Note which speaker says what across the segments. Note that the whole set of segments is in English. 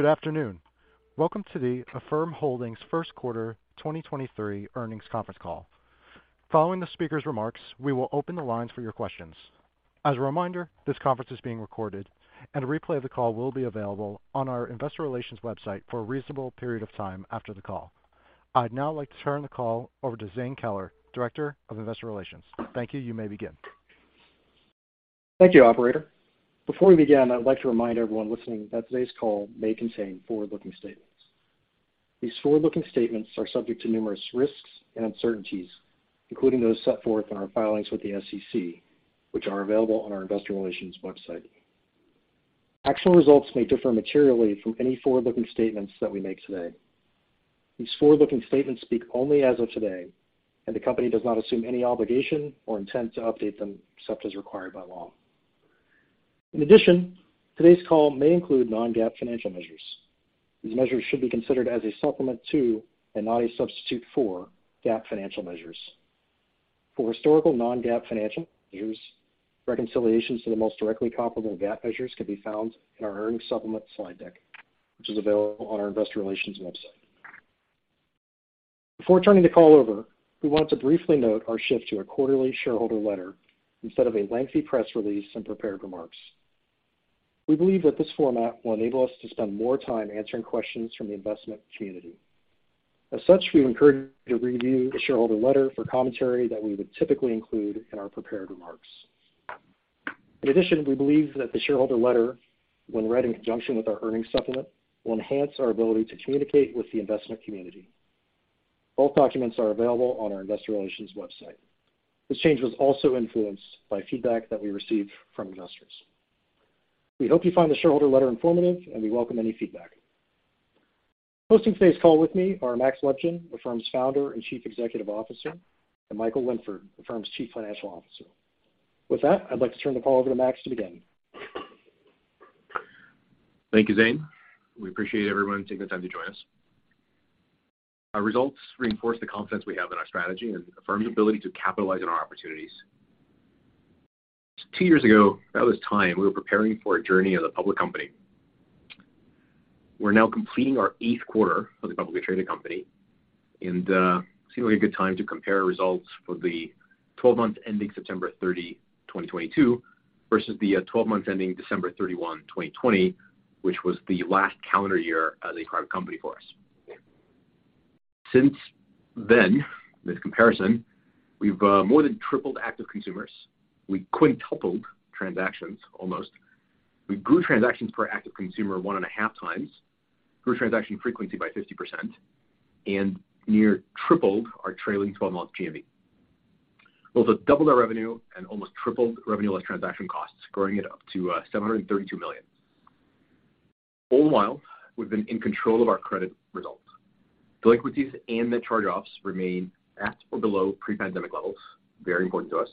Speaker 1: Good afternoon. Welcome to the Affirm Holdings first quarter 2023 earnings conference call. Following the speaker's remarks, we will open the lines for your questions. As a reminder, this conference is being recorded, and a replay of the call will be available on our investor relations website for a reasonable period of time after the call. I'd now like to turn the call over to Zane Keller, Director of Investor Relations. Thank you. You may begin.
Speaker 2: Thank you, operator. Before we begin, I'd like to remind everyone listening that today's call may contain forward-looking statements. These forward-looking statements are subject to numerous risks and uncertainties, including those set forth in our filings with the SEC, which are available on our investor relations website. Actual results may differ materially from any forward-looking statements that we make today. These forward-looking statements speak only as of today, and the company does not assume any obligation or intent to update them, except as required by law. Today's call may include non-GAAP financial measures. These measures should be considered as a supplement to, and not a substitute for, GAAP financial measures. For historical non-GAAP financial measures, reconciliations to the most directly comparable GAAP measures can be found in our earnings supplement slide deck, which is available on our investor relations website. Before turning the call over, we want to briefly note our shift to a quarterly shareholder letter instead of a lengthy press release and prepared remarks. We believe that this format will enable us to spend more time answering questions from the investment community. As such, we encourage you to review the shareholder letter for commentary that we would typically include in our prepared remarks. We believe that the shareholder letter, when read in conjunction with our earnings supplement, will enhance our ability to communicate with the investment community. Both documents are available on our investor relations website. This change was also influenced by feedback that we received from investors. We hope you find the shareholder letter informative, and we welcome any feedback. Hosting today's call with me are Max Levchin, Affirm's Founder and Chief Executive Officer, and Michael Linford, Affirm's Chief Financial Officer. With that, I'd like to turn the call over to Max to begin.
Speaker 3: Thank you, Zane. We appreciate everyone taking the time to join us. Our results reinforce the confidence we have in our strategy and Affirm's ability to capitalize on our opportunities. Two years ago, about this time, we were preparing for a journey as a public company. We're now completing our eighth quarter as a publicly traded company, it seemed like a good time to compare results for the 12 months ending September 30, 2022, versus the 12 months ending December 31, 2020, which was the last calendar year as a private company for us. Since then, this comparison, we've more than tripled active consumers. We quintupled transactions almost. We grew transactions per active consumer one and a half times, grew transaction frequency by 50%, and near tripled our trailing 12-month GMV. We also doubled our revenue and almost tripled revenue less transaction costs, growing it up to $732 million. All the while, we've been in control of our credit results. Delinquencies and net charge-offs remain at or below pre-pandemic levels, very important to us.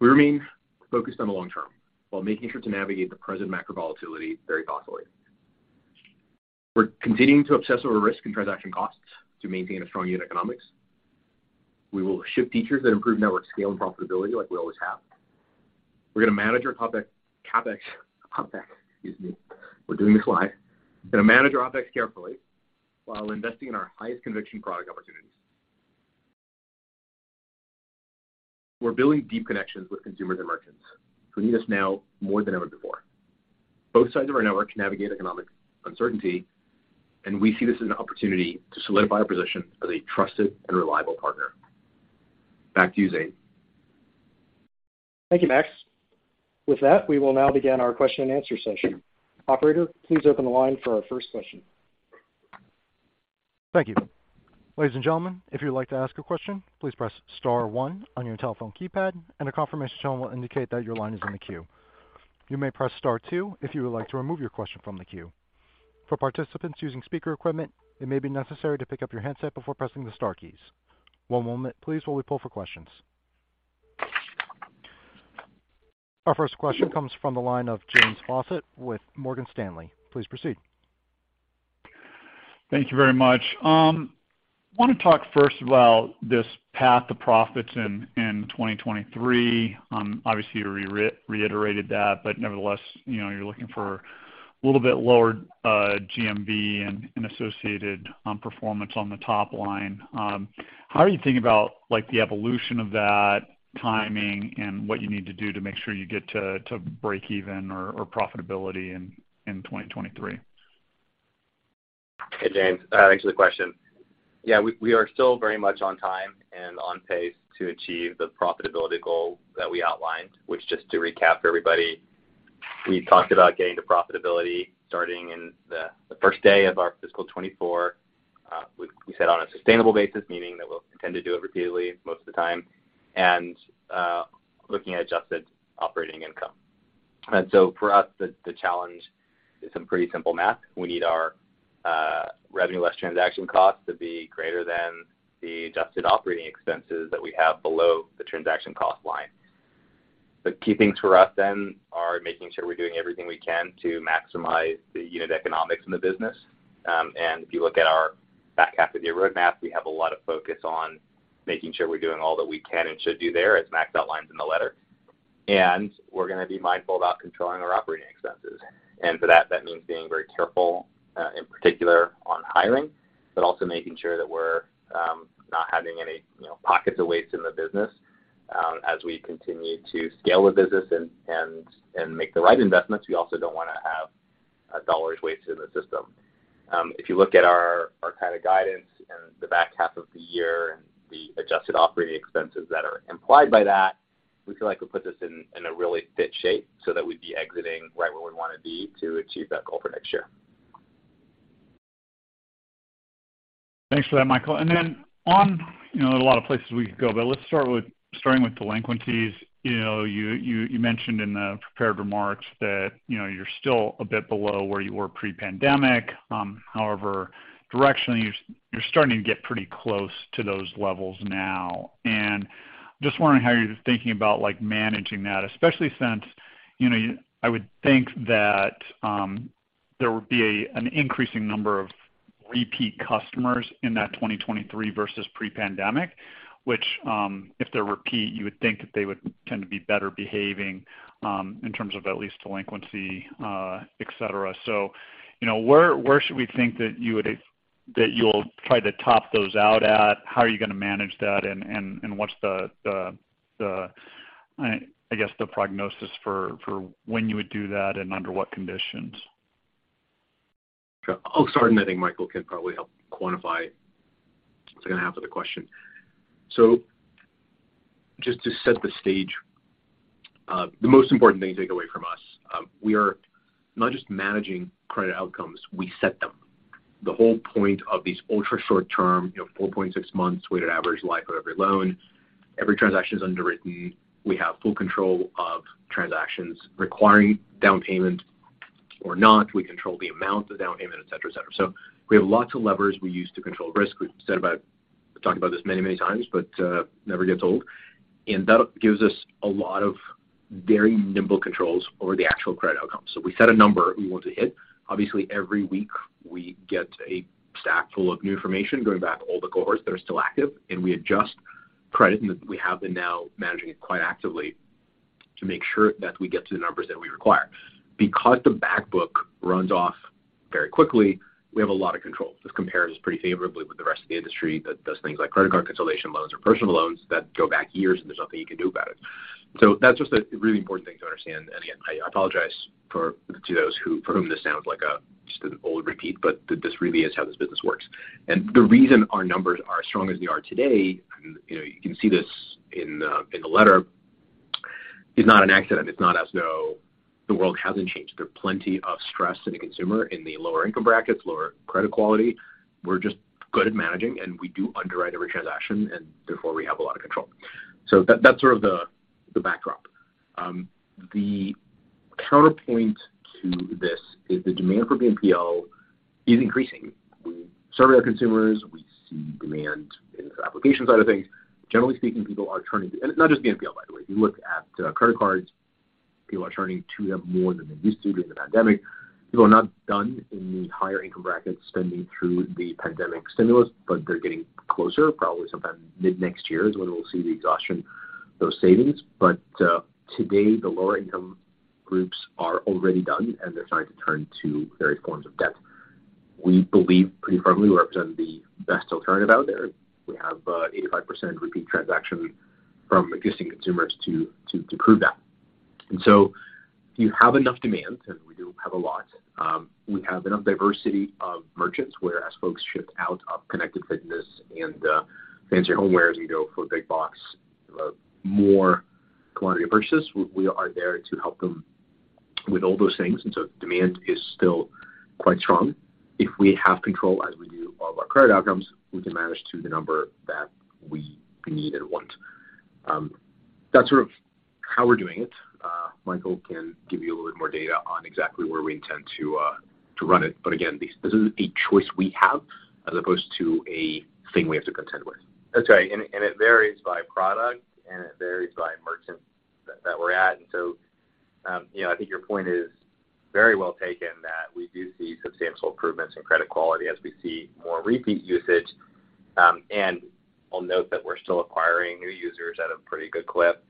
Speaker 3: We remain focused on the long term while making sure to navigate the present macro volatility very thoughtfully. We're continuing to obsess over risk and transaction costs to maintain a strong unit economics. We will ship features that improve network scale and profitability like we always have. We're going to manage our CapEx. Excuse me. We're doing this live. We're going to manage our OPEX carefully while investing in our highest conviction product opportunities. We're building deep connections with consumers and merchants who need us now more than ever before. Both sides of our network navigate economic uncertainty, we see this as an opportunity to solidify our position as a trusted and reliable partner. Back to you, Zane.
Speaker 2: Thank you, Max. With that, we will now begin our question and answer session. Operator, please open the line for our first question.
Speaker 1: Thank you. Ladies and gentlemen, if you would like to ask a question, please press star one on your telephone keypad, and a confirmation tone will indicate that your line is in the queue. You may press star two if you would like to remove your question from the queue. For participants using speaker equipment, it may be necessary to pick up your handset before pressing the star keys. One moment please while we pull for questions. Our first question comes from the line of James Faucette with Morgan Stanley. Please proceed.
Speaker 4: Thank you very much. Want to talk first about this path to profits in 2023. Obviously, you reiterated that, but nevertheless, you know, you're looking for a little bit lower GMV and associated performance on the top line. How are you thinking about, like, the evolution of that timing and what you need to do to make sure you get to breakeven or profitability in 2023?
Speaker 3: Hey, James. Thanks for the question. Yeah, we are still very much on time and on pace to achieve the profitability goal that we outlined, which just to recap for everybody, we talked about getting to profitability starting in the first day of our Fiscal Year 2024. We said on a sustainable basis, meaning that we'll intend to do it repeatedly most of the time and looking at adjusted operating income. For us, the challenge is some pretty simple math. We need our revenue less transaction costs to be greater than the adjusted operating expenses that we have below the transaction cost line. The key things for us then are making sure we're doing everything we can to maximize the unit economics in the business. If you look at our
Speaker 5: with your roadmap, we have a lot of focus on making sure we're doing all that we can and should do there, as Max outlines in the letter. We're going to be mindful about controlling our operating expenses. For that means being very careful, in particular on hiring, but also making sure that we're not having any pockets of waste in the business. As we continue to scale the business and make the right investments, we also don't want to have dollars wasted in the system. If you look at our kind of guidance in the back half of the year and the adjusted operating expenses that are implied by that, we feel like we put this in a really fit shape so that we'd be exiting right where we want to be to achieve that goal for next year.
Speaker 4: Thanks for that, Michael. Then on, there are a lot of places we could go, but let's start with delinquencies. You mentioned in the prepared remarks that you're still a bit below where you were pre-pandemic. However, directionally, you're starting to get pretty close to those levels now. Just wondering how you're thinking about managing that, especially since I would think that there would be an increasing number of repeat customers in that 2023 versus pre-pandemic, which, if they're repeat, you would think that they would tend to be better behaving in terms of at least delinquency, et cetera. Where should we think that you'll try to top those out at? How are you going to manage that, and what's the, I guess, the prognosis for when you would do that and under what conditions?
Speaker 3: I'll start, and I think Michael can probably help quantify the second half of the question. Just to set the stage, the most important thing to take away from us, we are not just managing credit outcomes, we set them. The whole point of these ultra short-term, 4.6 months weighted average life of every loan, every transaction is underwritten. We have full control of transactions requiring down payment or not. We control the amount of down payment, et cetera, et cetera. We have lots of levers we use to control risk. We've talked about this many, many times, but never gets old. That gives us a lot of very nimble controls over the actual credit outcome. We set a number we want to hit. Obviously, every week we get a stack full of new information going back to all the cohorts that are still active, we adjust credit, we have been now managing it quite actively to make sure that we get to the numbers that we require. Because the back book runs off very quickly, we have a lot of control. This compares pretty favorably with the rest of the industry that does things like credit card consolidation loans or personal loans that go back years, and there's nothing you can do about it. That's just a really important thing to understand. Again, I apologize to those for whom this sounds like just an old repeat, but this really is how this business works. The reason our numbers are as strong as they are today, and you can see this in the letter, is not an accident. It's not as though the world hasn't changed. There are plenty of stress in the consumer in the lower income brackets, lower credit quality. We're just good at managing, and we do underwrite every transaction, and therefore we have a lot of control. That's sort of the backdrop. The counterpoint to this is the demand for BNPL is increasing. We survey our consumers. We see demand in the application side of things. Generally speaking, people are turning to. Not just BNPL, by the way. If you look at credit cards, people are turning to them more than they used to during the pandemic. People are not done in the higher income brackets spending through the pandemic stimulus, but they're getting closer. Probably sometime mid-next year is when we'll see the exhaustion of those savings. Today, the lower income groups are already done, and they're starting to turn to various forms of debt. We believe pretty firmly we represent the best alternative out there. We have 85% repeat transaction from existing consumers to prove that. You have enough demand, and we do have a lot. We have enough diversity of merchants, whereas folks shift out of connected fitness and fancier homewares and go for big box, more quantity purchases. We are there to help them with all those things, and demand is still quite strong. If we have control, as we do all of our credit outcomes, we can manage to the number that we need and want. That's sort of how we're doing it. Michael can give you a little bit more data on exactly where we intend to run it. Again, this is a choice we have as opposed to a thing we have to contend with.
Speaker 5: That's right. It varies by product, and it varies by merchant that we're at. I think your point is very well taken that we do see substantial improvements in credit quality as we see more repeat usage. I'll note that we're still acquiring new users at a pretty good clip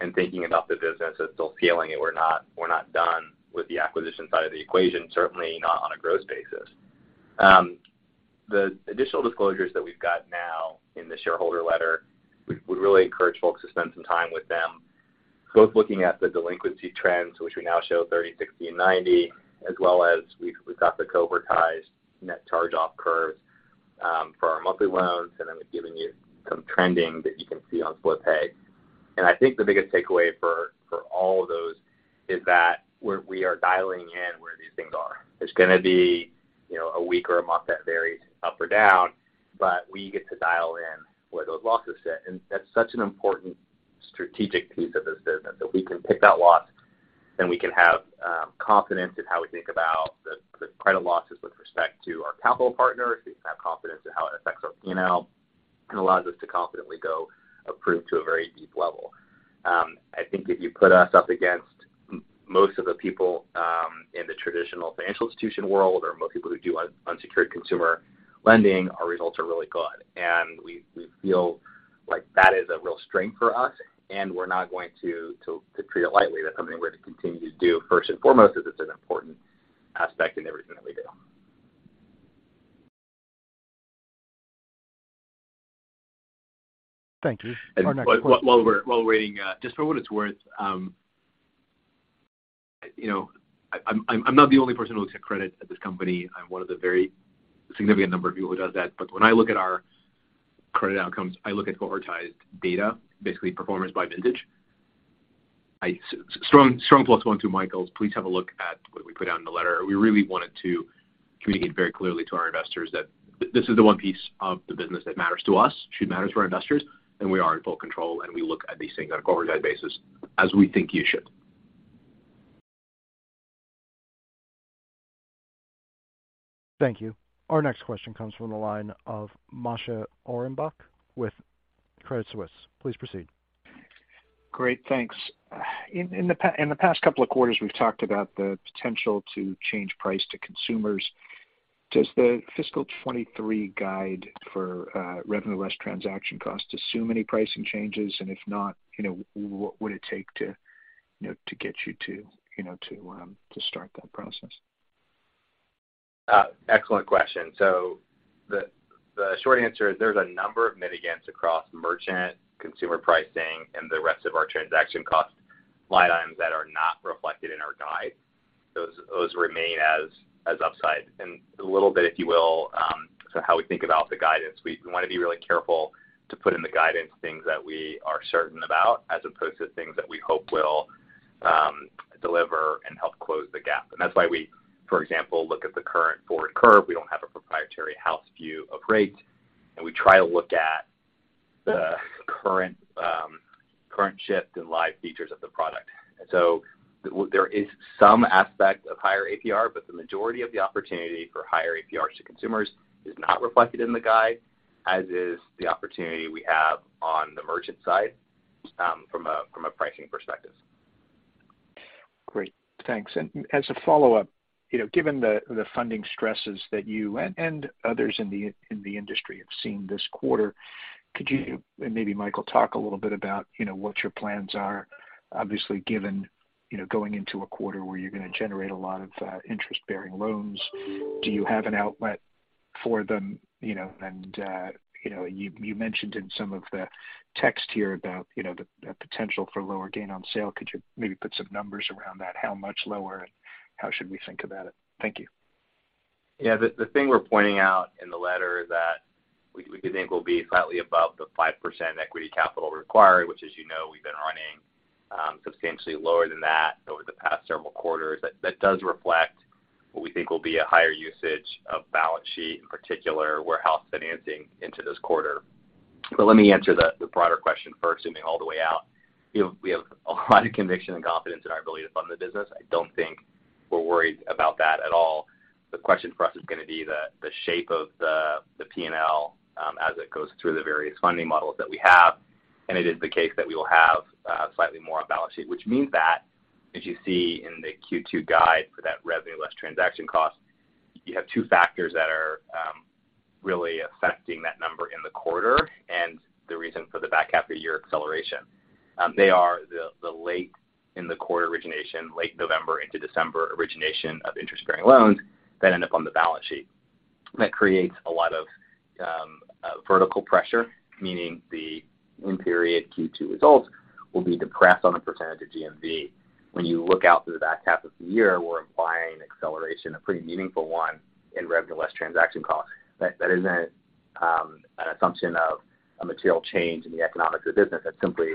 Speaker 5: and thinking about the business as still scaling it. We're not done with the acquisition side of the equation, certainly not on a growth basis. The additional disclosures that we've got now in the shareholder letter, we really encourage folks to spend some time with them, both looking at the delinquency trends, which we now show 30, 60, and 90, as well as we've got the cohortized net charge-off curves for our monthly loans, and then we've given you some trending that you can see on Split Pay. I think the biggest takeaway for all of those is that we are dialing in where these things are. There's going to be a week or a month that varies up or down, but we get to dial in where those losses sit, and that's such an important strategic piece of this business, that we can pick that loss, and we can have confidence in how we think about the credit losses with respect to our capital partners. We can have confidence in how it affects our P&L. Allows us to confidently go approve to a very deep level. I think if you put us up against most of the people in the traditional financial institution world or most people who do unsecured consumer lending, our results are really good. We feel like that is a real strength for us, and we're not going to treat it lightly. That's something we're going to continue to do first and foremost, as it's an important aspect in everything that we do.
Speaker 1: Thank you. Our next question-
Speaker 3: While we're waiting, just for what it's worth, I'm not the only person who looks at credit at this company. I'm one of the very significant number of people who does that. When I look at our credit outcomes, I look at cohortized data, basically performance by vintage. Strong plus one to Michael's. Please have a look at what we put out in the letter. We really wanted to communicate very clearly to our investors that this is the one piece of the business that matters to us, should matter to our investors, and we are in full control, and we look at these things on a cohortized basis as we think you should.
Speaker 1: Thank you. Our next question comes from the line of Moshe Orenbuch with Credit Suisse. Please proceed.
Speaker 6: Great, thanks. In the past couple of quarters, we've talked about the potential to change price to consumers. Does the fiscal '23 guide for revenue less transaction costs assume any pricing changes? If not, what would it take to get you to start that process?
Speaker 5: Excellent question. The short answer is there's a number of mitigants across merchant consumer pricing and the rest of our transaction cost line items that are not reflected in our guide. Those remain as upside. A little bit, if you will, so how we think about the guidance, we want to be really careful to put in the guidance things that we are certain about as opposed to things that we hope will deliver and help close the gap. That's why we, for example, look at the current forward curve. We don't have a proprietary house view of rates, and we try to look at the current shift in live features of the product. There is some aspect of higher APR, but the majority of the opportunity for higher APRs to consumers is not reflected in the guide, as is the opportunity we have on the merchant side from a pricing perspective.
Speaker 6: Great, thanks. As a follow-up, given the funding stresses that you and others in the industry have seen this quarter, could you and maybe Michael talk a little bit about what your plans are, obviously given going into a quarter where you're going to generate a lot of interest-bearing loans. Do you have an outlet for them? You mentioned in some of the text here about the potential for lower gain on sale. Could you maybe put some numbers around that? How much lower, and how should we think about it? Thank you.
Speaker 5: Yeah, the thing we're pointing out in the letter that we think will be slightly above the 5% equity capital required, which as you know we've been running substantially lower than that over the past several quarters. That does reflect what we think will be a higher usage of balance sheet, in particular warehouse financing into this quarter. Let me answer the broader question first, zooming all the way out. We have a lot of conviction and confidence in our ability to fund the business. I don't think we're worried about that at all. The question for us is going to be the shape of the P&L as it goes through the various funding models that we have. It is the case that we will have slightly more on balance sheet, which means that as you see in the Q2 guide for that revenue less transaction costs, you have two factors that are really affecting that number in the quarter and the reason for the back half of the year acceleration. They are the late in the quarter origination, late November into December origination of interest-bearing loans that end up on the balance sheet. That creates a lot of vertical pressure, meaning the in-period Q2 results will be depressed on a percentage of GMV. When you look out through the back half of the year, we're implying acceleration, a pretty meaningful one in revenue less transaction costs. That isn't an assumption of a material change in the economics of the business. That's simply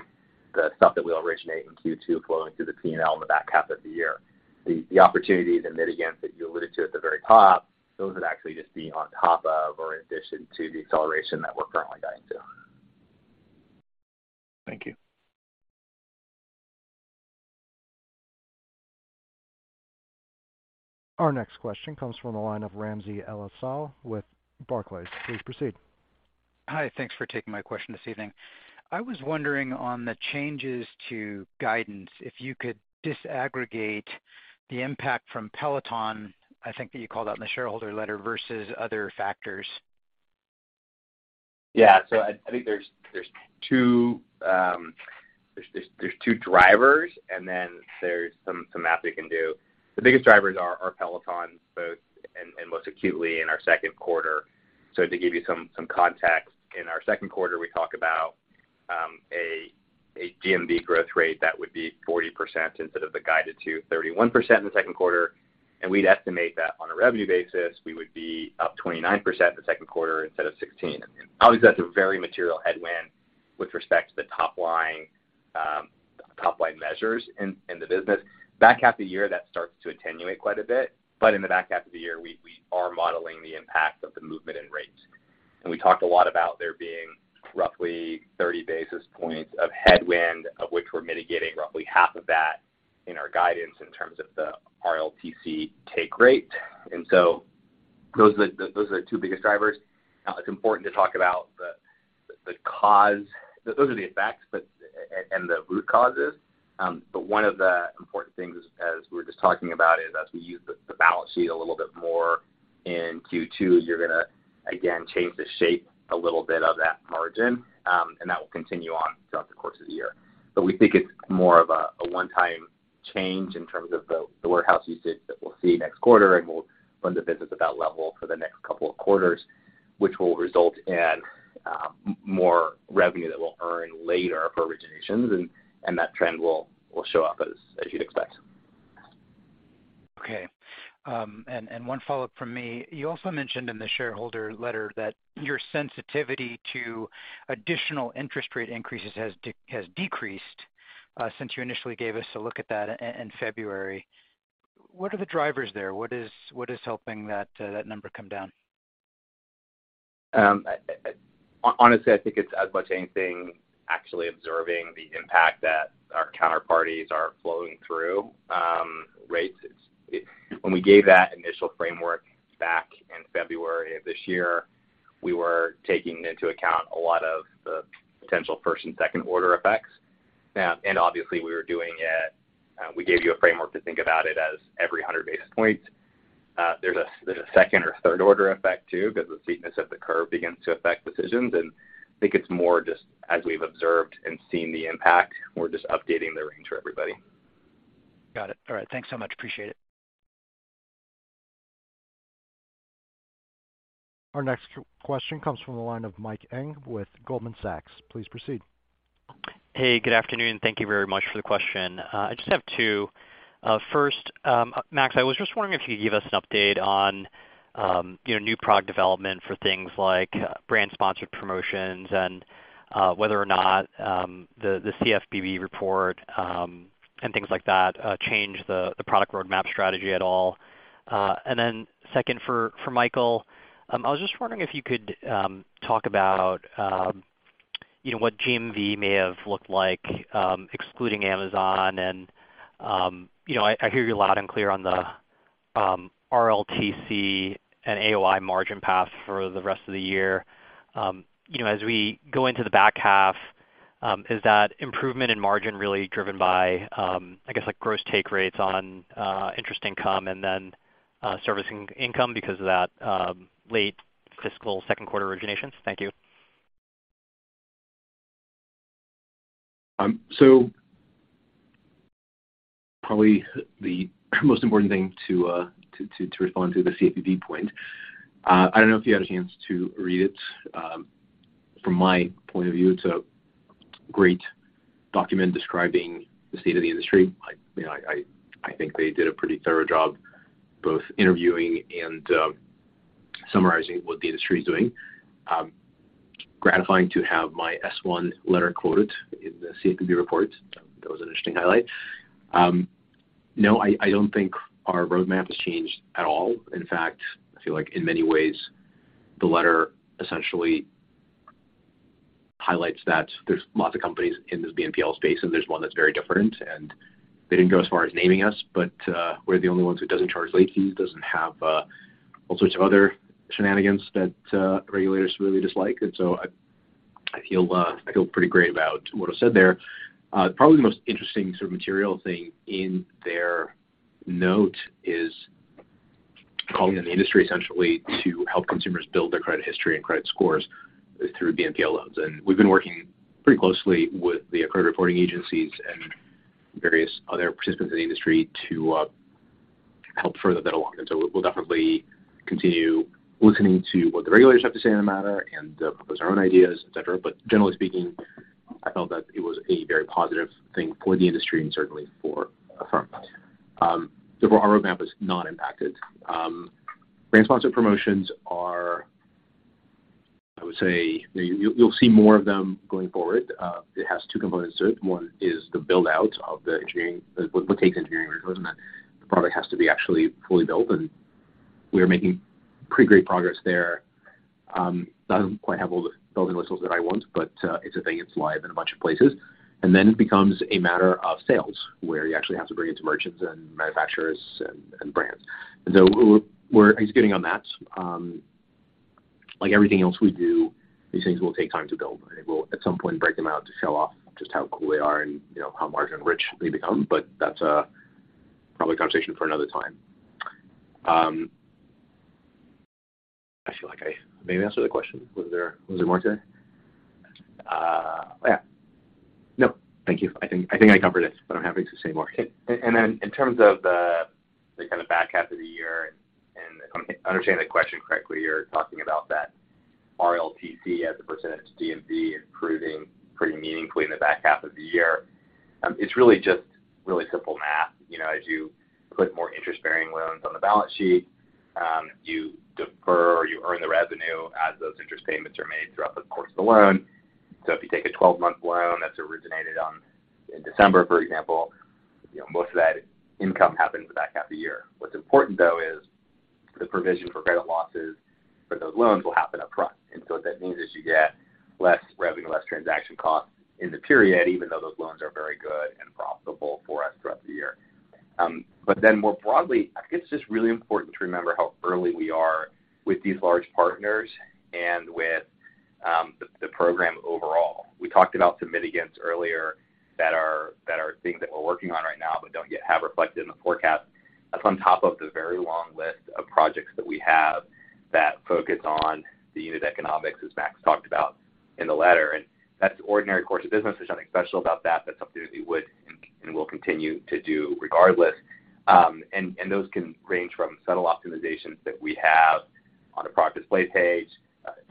Speaker 5: the stuff that we originate in Q2 flowing through the P&L in the back half of the year. The opportunities and mitigants that you alluded to at the very top, those would actually just be on top of or in addition to the acceleration that we're currently guiding to.
Speaker 6: Thank you.
Speaker 1: Our next question comes from the line of Ramsey El-Assal with Barclays. Please proceed.
Speaker 7: Hi. Thanks for taking my question this evening. I was wondering on the changes to guidance, if you could disaggregate the impact from Peloton, I think that you called out in the shareholder letter, versus other factors.
Speaker 5: Yeah. I think there's two drivers and then there's some math we can do. The biggest drivers are Peloton both and most acutely in our second quarter. To give you some context, in our second quarter, we talk about a GMV growth rate that would be 40% instead of the guided to 31% in the second quarter. We'd estimate that on a revenue basis, we would be up 29% in the second quarter instead of 16%. Obviously, that's a very material headwind with respect to the top-line measures in the business. In the back half of the year, that starts to attenuate quite a bit. In the back half of the year, we are modeling the impact of the movement in rates. We talked a lot about there being roughly 30 basis points of headwind, of which we're mitigating roughly half of that in our guidance in terms of the RLTC take rate. Those are the two biggest drivers. It's important to talk about the cause. Those are the effects and the root causes. One of the important things as we were just talking about is as we use the balance sheet a little bit more in Q2, you're going to again, change the shape a little bit of that margin. That will continue on throughout the course of the year. We think it's more of a one-time change in terms of the warehouse usage that we'll see next quarter. We'll fund the business at that level for the next couple of quarters, which will result in more revenue that we'll earn later for originations, and that trend will show up as you'd expect.
Speaker 7: Okay. One follow-up from me. You also mentioned in the shareholder letter that your sensitivity to additional interest rate increases has decreased since you initially gave us a look at that in February. What are the drivers there? What is helping that number come down?
Speaker 5: Honestly, I think it's as much anything actually observing the impact that our counterparties are flowing through rates. When we gave that initial framework back in February of this year, we were taking into account a lot of the potential first and second-order effects. Obviously, we gave you a framework to think about it as every 100 basis points. There's a second-order or third-order effect too, because the steepness of the curve begins to affect decisions. I think it's more just as we've observed and seen the impact, we're just updating the range for everybody.
Speaker 7: Got it. All right. Thanks so much. Appreciate it.
Speaker 1: Our next question comes from the line of Michael Ng with Goldman Sachs. Please proceed.
Speaker 8: Hey, good afternoon. Thank you very much for the question. I just have two. First, Max, I was just wondering if you could give us an update on new product development for things like brand-sponsored promotions and whether or not the CFPB report, and things like that, change the product roadmap strategy at all. Second for Michael, I was just wondering if you could talk about what GMV may have looked like excluding Amazon and I hear you loud and clear on the RLTC and AOI margin path for the rest of the year. As we go into the back half, is that improvement in margin really driven by, I guess, gross take rates on interest income and then servicing income because of that late fiscal second quarter originations? Thank you.
Speaker 3: Probably the most important thing to respond to the CFPB point. I don't know if you had a chance to read it. From my point of view, it's a great document describing the state of the industry. I think they did a pretty thorough job both interviewing and summarizing what the industry is doing. Gratifying to have my S1 letter quoted in the CFPB report. That was an interesting highlight. No, I don't think our roadmap has changed at all. In fact, I feel like in many ways the letter essentially highlights that there's lots of companies in this BNPL space, and there's one that's very different, and they didn't go as far as naming us. We're the only ones who doesn't charge late fees, doesn't have all sorts of other shenanigans that regulators really dislike. I feel pretty great about what I said there. Probably the most interesting sort of material thing in their note is calling on the industry essentially to help consumers build their credit history and credit scores through BNPL loans. We've been working pretty closely with the credit reporting agencies and various other participants in the industry to help further that along. We'll definitely continue listening to what the regulators have to say on the matter and propose our own ideas, et cetera. Generally speaking, I felt that it was a very positive thing for the industry and certainly for Affirm. Our roadmap is not impacted. Brand-sponsored promotions are, I would say, you'll see more of them going forward. It has two components to it. One is the build-out of the engineering. Well, it takes engineering resources, and that the product has to be actually fully built, and we are making pretty great progress there. Doesn't quite have all the bells and whistles that I want, but it's a thing. It's live in a bunch of places. It becomes a matter of sales, where you actually have to bring it to merchants and manufacturers and brands. We're executing on that. Like everything else we do, these things will take time to build. We'll at some point break them out to show off just how cool they are and how margin-rich they become. That's probably a conversation for another time. I feel like I maybe answered the question. Was there more to it?
Speaker 8: Yeah. No, thank you. I think I covered it, I'm happy to say more.
Speaker 5: In terms of the kind of back half of the year, if I'm understanding the question correctly, you're talking about that RLTC as a percentage of GMV improving pretty meaningfully in the back half of the year. It's really just really simple math. As you put more interest-bearing loans on the balance sheet, you defer or you earn the revenue as those interest payments are made throughout the course of the loan. So if you take a 12-month loan that's originated in December, for example, most of that income happens in the back half of the year. What's important, though, is the provision for credit losses for those loans will happen upfront. What that means is you get less revenue less transaction costs in the period, even though those loans are very good and profitable for us throughout the year. More broadly, I think it's just really important to remember how early we are with these large partners and with the program overall. We talked about some mitigants earlier that are things that we're working on right now, but don't yet have reflected in the forecast. That's on top of the very long list of projects that we have that focus on the unit economics, as Max talked about in the letter. That's ordinary course of business. There's nothing special about that. That's something that we would and will continue to do regardless. Those can range from subtle optimizations that we have on a product display page,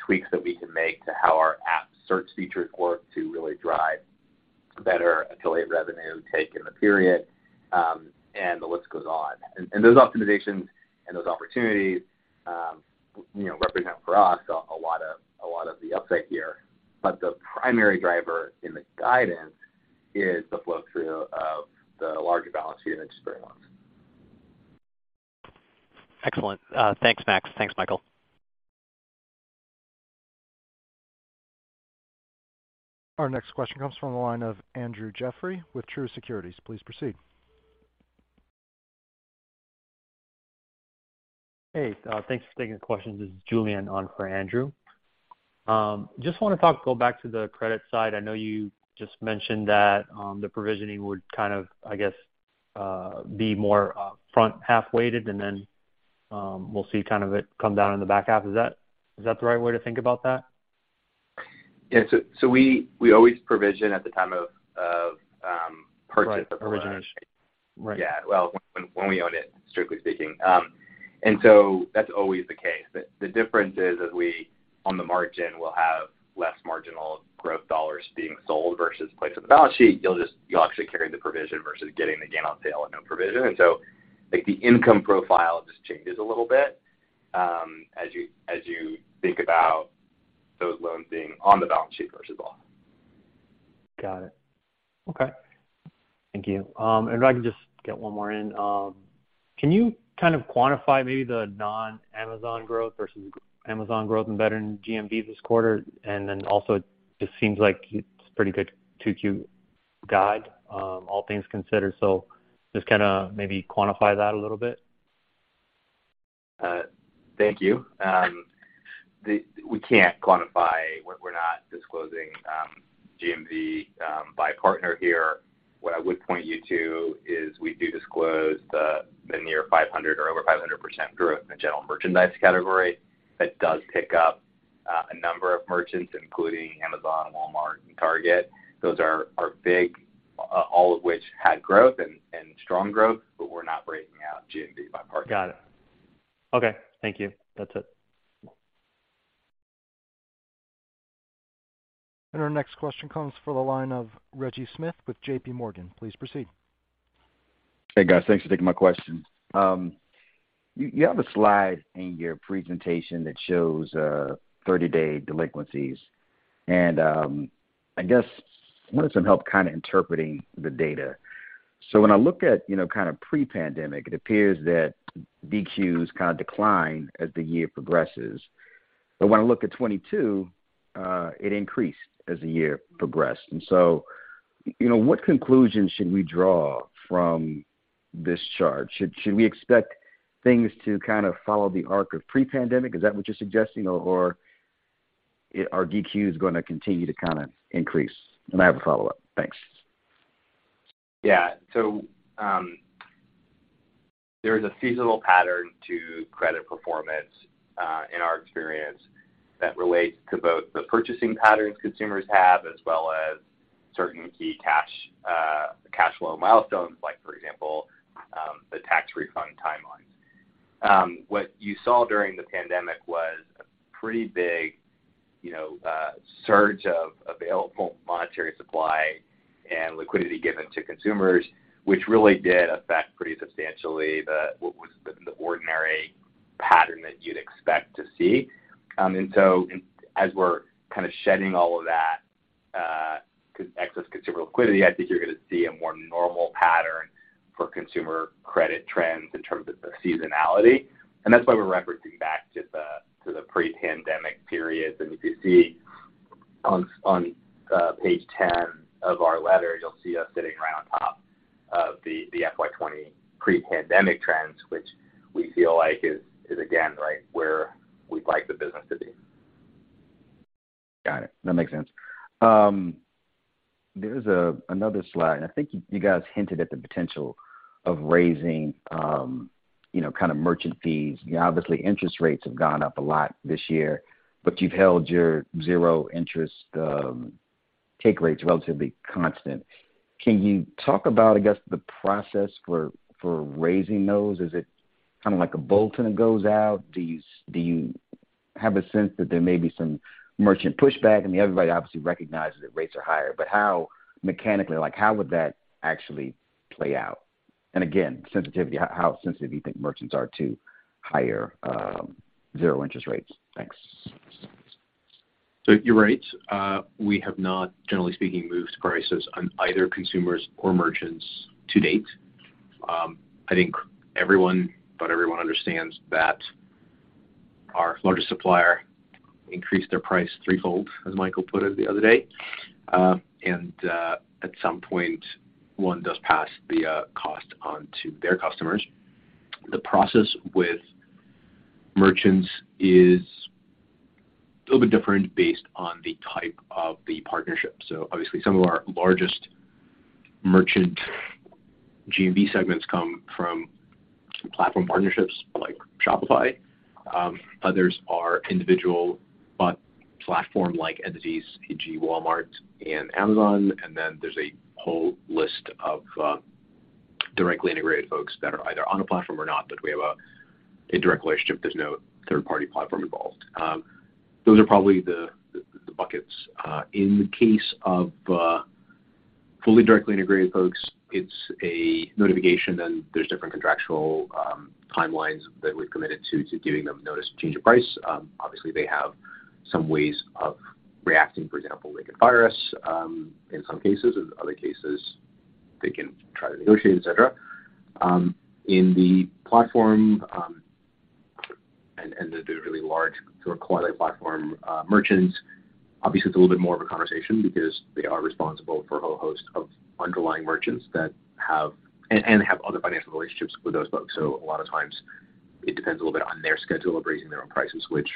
Speaker 5: tweaks that we can make to how our app search features work to really drive better affiliate revenue take in the period, the list goes on. Those optimizations and those opportunities represent for us a lot of the upside here. The primary driver in the guidance is the flow-through of the larger balance unit experience.
Speaker 8: Excellent. Thanks, Max. Thanks, Michael.
Speaker 1: Our next question comes from the line of Andrew Jeffrey with Truist Securities. Please proceed.
Speaker 9: Hey, thanks for taking the questions. This is Julian on for Andrew. Just want to go back to the credit side. I know you just mentioned that the provisioning would, I guess, be more front-half weighted, and then we'll see it come down in the back half. Is that the right way to think about that?
Speaker 5: Yeah. We always provision at the time of purchase.
Speaker 9: Right. Origination.
Speaker 5: Yeah. Well, when we own it, strictly speaking. That's always the case. The difference is as we, on the margin, will have less marginal growth dollars being sold versus placed on the balance sheet. You'll actually carry the provision versus getting the gain on sale and no provision. The income profile just changes a little bit as you think about those loans being on the balance sheet versus off.
Speaker 9: Got it. Okay. Thank you. If I could just get one more in. Can you quantify maybe the non-Amazon growth versus Amazon growth and veteran GMV this quarter? Also, it just seems like it's pretty good 2Q guide all things considered. Just maybe quantify that a little bit.
Speaker 5: Thank you. We can't quantify. We're not disclosing GMV by partner here. What I would point you to is we do disclose the near 500 or over 500% growth in the general merchandise category. That does pick up a number of merchants, including Amazon, Walmart, and Target. Those are big, all of which had growth and strong growth, but we're not breaking out GMV by partner.
Speaker 9: Got it. Okay. Thank you. That's it.
Speaker 1: Our next question comes from the line of Reginald Smith with JPMorgan. Please proceed.
Speaker 10: Hey, guys. Thanks for taking my question. You have a slide in your presentation that shows 30-day delinquencies, and I just wanted some help interpreting the data. When I look at pre-pandemic, it appears that DQs decline as the year progresses. When I look at 2022, it increased as the year progressed. What conclusion should we draw from this chart? Should we expect things to follow the arc of pre-pandemic? Is that what you're suggesting? Are DQs going to continue to increase? I have a follow-up. Thanks.
Speaker 5: Yeah. There is a seasonal pattern to credit performance in our experience that relates to both the purchasing patterns consumers have as well as certain key cash flow milestones, for example, the tax refund timelines. What you saw during the pandemic was a pretty big surge of available monetary supply and liquidity given to consumers, which really did affect pretty substantially what was the ordinary pattern that you'd expect to see. As we're kind of shedding all of that excess consumer liquidity, I think you're going to see a more normal pattern for consumer credit trends in terms of the seasonality. That's why we're referencing back to the pre-pandemic periods. If you see on page 10 of our letter, you'll see us sitting right on top of the FY 2020 pre-pandemic trends, which we feel like is again right where we'd like the business to be.
Speaker 10: Got it. That makes sense. There's another slide, I think you guys hinted at the potential of raising merchant fees. Obviously, interest rates have gone up a lot this year, but you've held your zero interest take rates relatively constant. Can you talk about, I guess, the process for raising those? Is it like a bulletin that goes out? Do you have a sense that there may be some merchant pushback? I mean, everybody obviously recognizes that rates are higher, but mechanically, how would that actually play out? Again, how sensitive do you think merchants are to higher zero interest rates? Thanks.
Speaker 3: You're right. We have not, generally speaking, moved prices on either consumers or merchants to date. I think everyone but everyone understands that our largest supplier increased their price threefold, as Michael put it the other day. At some point, one does pass the cost on to their customers. The process with merchants is a little bit different based on the type of the partnership. Obviously, some of our largest merchant GMV segments come from platform partnerships like Shopify. Others are individual but platform-like entities, e.g. Walmart and Amazon. Then there's a whole list of directly integrated folks that are either on a platform or not, that we have a direct relationship. There's no third-party platform involved. Those are probably the buckets. In the case of fully directly integrated folks, it's a notification, there's different contractual timelines that we've committed to giving them notice of change of price. Obviously, they have some ways of reacting. For example, they could fire us in some cases. In other cases, they can try to negotiate, et cetera. In the platform and the really large sort of quality platform merchants, obviously it's a little bit more of a conversation because they are responsible for a whole host of underlying merchants, have other financial relationships with those folks. A lot of times it depends a little bit on their schedule of raising their own prices, which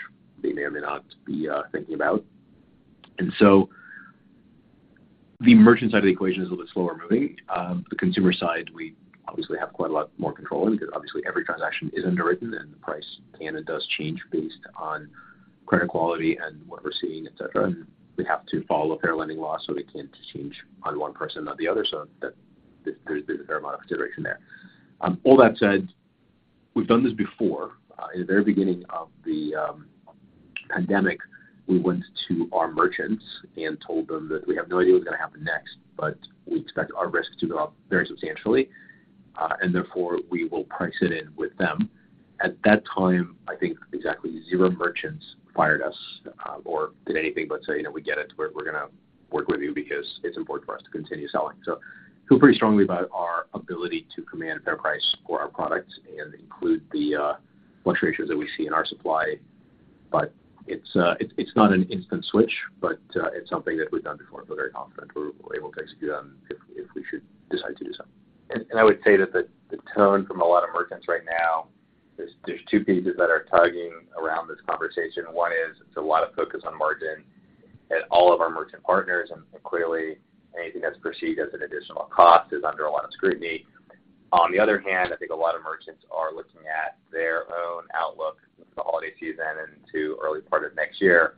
Speaker 3: they may or may not be thinking about. The merchant side of the equation is a little bit slower moving. The consumer side, we obviously have quite a lot more control over because obviously every transaction is underwritten and the price can and does change based on credit quality and what we're seeing, et cetera. We have to follow fair lending laws, we can't just change on one person, not the other, there's a fair amount of consideration there. All that said, we've done this before. In the very beginning of the pandemic, we went to our merchants and told them that we have no idea what's going to happen next, but we expect our risks to go up very substantially, and therefore we will price it in with them. At that time, I think exactly zero merchants fired us or did anything but say, "We get it. We're going to work with you because it's important for us to continue selling." Feel pretty strongly about our ability to command a fair price for our products and include the fluctuations that we see in our supply. It's not an instant switch, but it's something that we've done before, and feel very confident we're able to execute on if we should decide to do something.
Speaker 5: I would say that the tone from a lot of merchants right now is there's two pieces that are tugging around this conversation. One is it's a lot of focus on margin at all of our merchant partners, and clearly anything that's perceived as an additional cost is under a lot of scrutiny. On the other hand, I think a lot of merchants are looking at their own outlook for the holiday season and into early part of next year,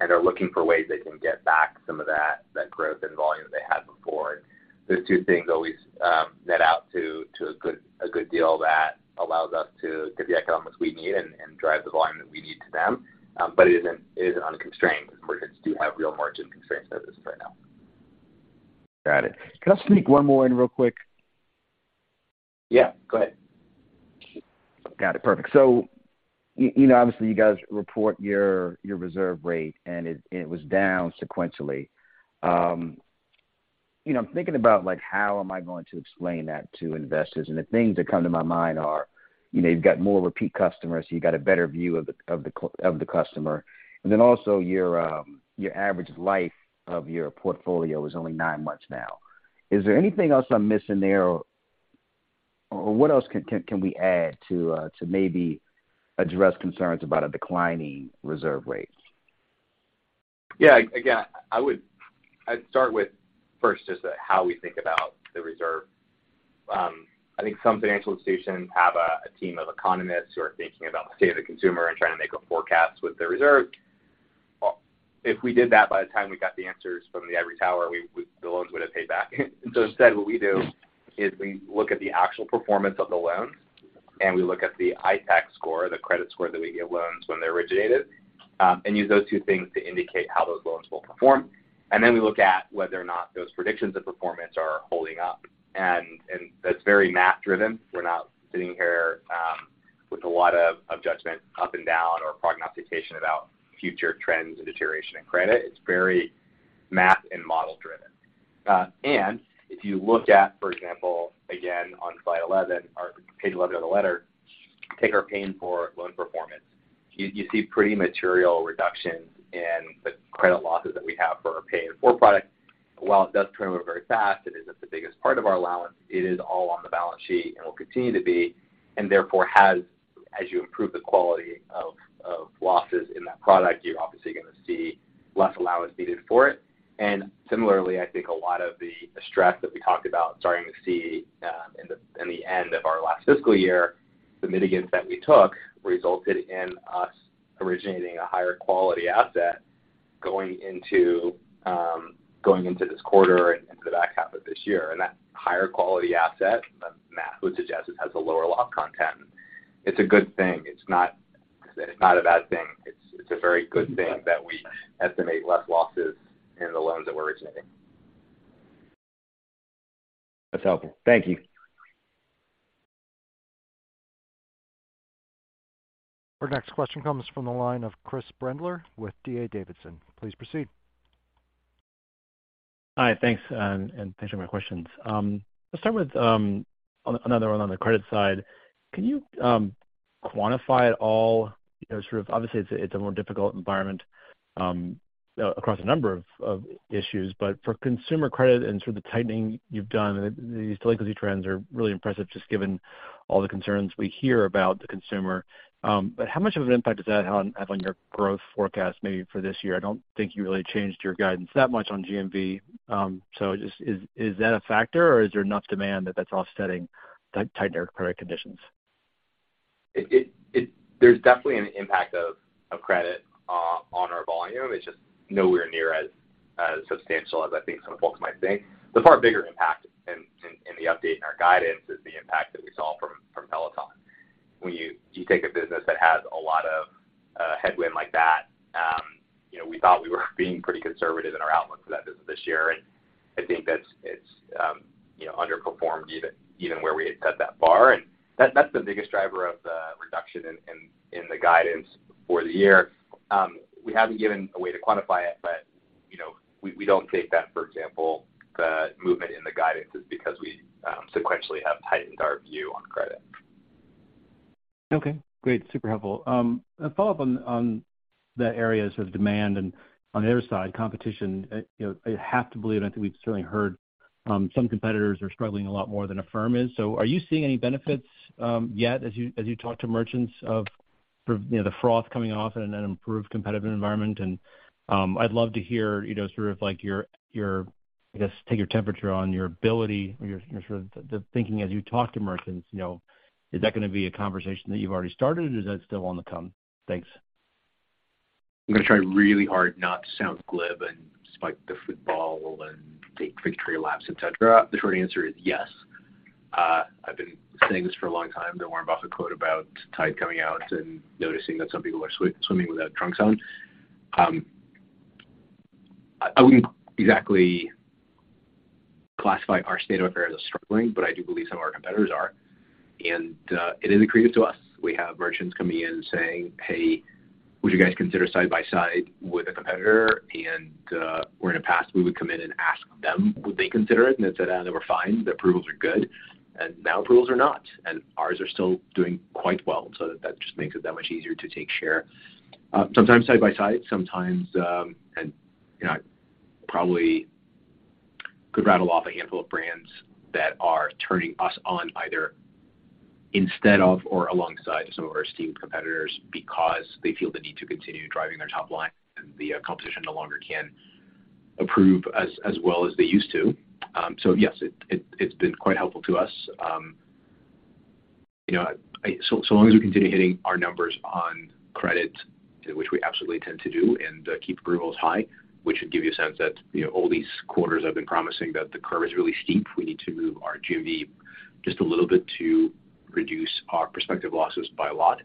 Speaker 5: and are looking for ways they can get back some of that growth and volume they had before. Those two things always net out to a good deal that allows us to get the economics we need and drive the volume that we need to them. It isn't unconstrained because merchants do have real margin constraints as it is right now.
Speaker 10: Got it. Can I sneak one more in real quick?
Speaker 5: Yeah, go ahead.
Speaker 10: Got it. Perfect. Obviously you guys report your reserve rate, and it was down sequentially. I'm thinking about how am I going to explain that to investors, and the things that come to my mind are you've got more repeat customers, so you've got a better view of the customer. Then also your average life of your portfolio is only nine months now. Is there anything else I'm missing there, or what else can we add to maybe address concerns about a declining reserve rate?
Speaker 5: Yeah. Again, I'd start with first just how we think about the reserve. I think some financial institutions have a team of economists who are thinking about the state of the consumer and trying to make a forecast with the reserve. If we did that, by the time we got the answers from the ivory tower, the loans would have paid back. Instead what we do is we look at the actual performance of the loans, and we look at the ITACs score, the credit score that we give loans when they're originated, and use those two things to indicate how those loans will perform. Then we look at whether or not those predictions of performance are holding up. That's very math-driven. We're not sitting here with a lot of judgment up and down or prognostication about future trends and deterioration in credit. It's very math and model-driven. If you look at, for example, again on slide 11 or page 11 of the letter, take our Pay in 4 loan performance, you see pretty material reductions in the credit losses that we have for our Pay in 4 product. While it does turn over very fast and isn't the biggest part of our allowance, it is all on the balance sheet and will continue to be, and therefore has, as you improve the quality of losses in that product, you're obviously going to see less allowance needed for it. Similarly, I think a lot of the stress that we talked about starting to see in the end of our last fiscal year, the mitigants that we took resulted in us originating a higher quality asset going into this quarter and into the back half of this year. That higher quality asset, the math would suggest it has a lower loss content. It's a good thing. It's not a bad thing. It's a very good thing that we estimate less losses in the loans that we're originating.
Speaker 10: That's helpful. Thank you.
Speaker 1: Our next question comes from the line of Chris Brendler with D.A. Davidson. Please proceed.
Speaker 11: Hi, thanks, and thanks for my questions. Let's start with another one on the credit side. Can you quantify at all, obviously it's a more difficult environment across a number of issues, but for consumer credit and sort of the tightening you've done, these delinquency trends are really impressive, just given all the concerns we hear about the consumer. How much of an impact does that have on your growth forecast maybe for this year? I don't think you really changed your guidance that much on GMV. Just is that a factor or is there enough demand that that's offsetting tighter credit conditions?
Speaker 3: There's definitely an impact of credit on our volume. It's just nowhere near as substantial as I think some folks might think. The far bigger impact in the update in our guidance is the impact that we saw from Peloton. When you take a business that has a lot of headwind like that, we thought we were being pretty conservative in our outlook for that business this year, and I think that it's underperformed even where we had set that bar, and that's the biggest driver of the reduction in the guidance for the year. We haven't given a way to quantify it, but we don't take that, for example, the movement in the guidance is because we sequentially have tightened our view on credit.
Speaker 11: Okay, great. Super helpful. A follow-up on the areas of demand and on the other side, competition. I have to believe, I think we've certainly heard some competitors are struggling a lot more than Affirm is. Are you seeing any benefits yet as you talk to merchants of the froth coming off and an improved competitive environment? I'd love to hear your, I guess, take your temperature on your ability or your thinking as you talk to merchants. Is that going to be a conversation that you've already started or is that still on the come? Thanks.
Speaker 3: I'm going to try really hard not to sound glib and spike the football and take victory laps, et cetera. The short answer is yes. I've been saying this for a long time, the Warren Buffett quote about tide coming out and noticing that some people are swimming without trunks on. I wouldn't exactly classify our state of affairs as struggling, but I do believe some of our competitors are, and it is accretive to us. We have merchants coming in saying, "Hey, would you guys consider side by side with a competitor?" Where in the past we would come in and ask them, would they consider it, and they'd say that we're fine, the approvals are good, and now approvals are not, and ours are still doing quite well. That just makes it that much easier to take share. Sometimes side by side, sometimes, and I probably could rattle off a handful of brands that are turning us on either instead of or alongside some of our esteemed competitors because they feel the need to continue driving their top line and the competition no longer can approve as well as they used to. Yes, it's been quite helpful to us. Long as we continue hitting our numbers on credit, which we absolutely intend to do, and keep approvals high, which would give you a sense that all these quarters have been promising that the curve is really steep. We need to move our GMV just a little bit to reduce our prospective losses by a lot.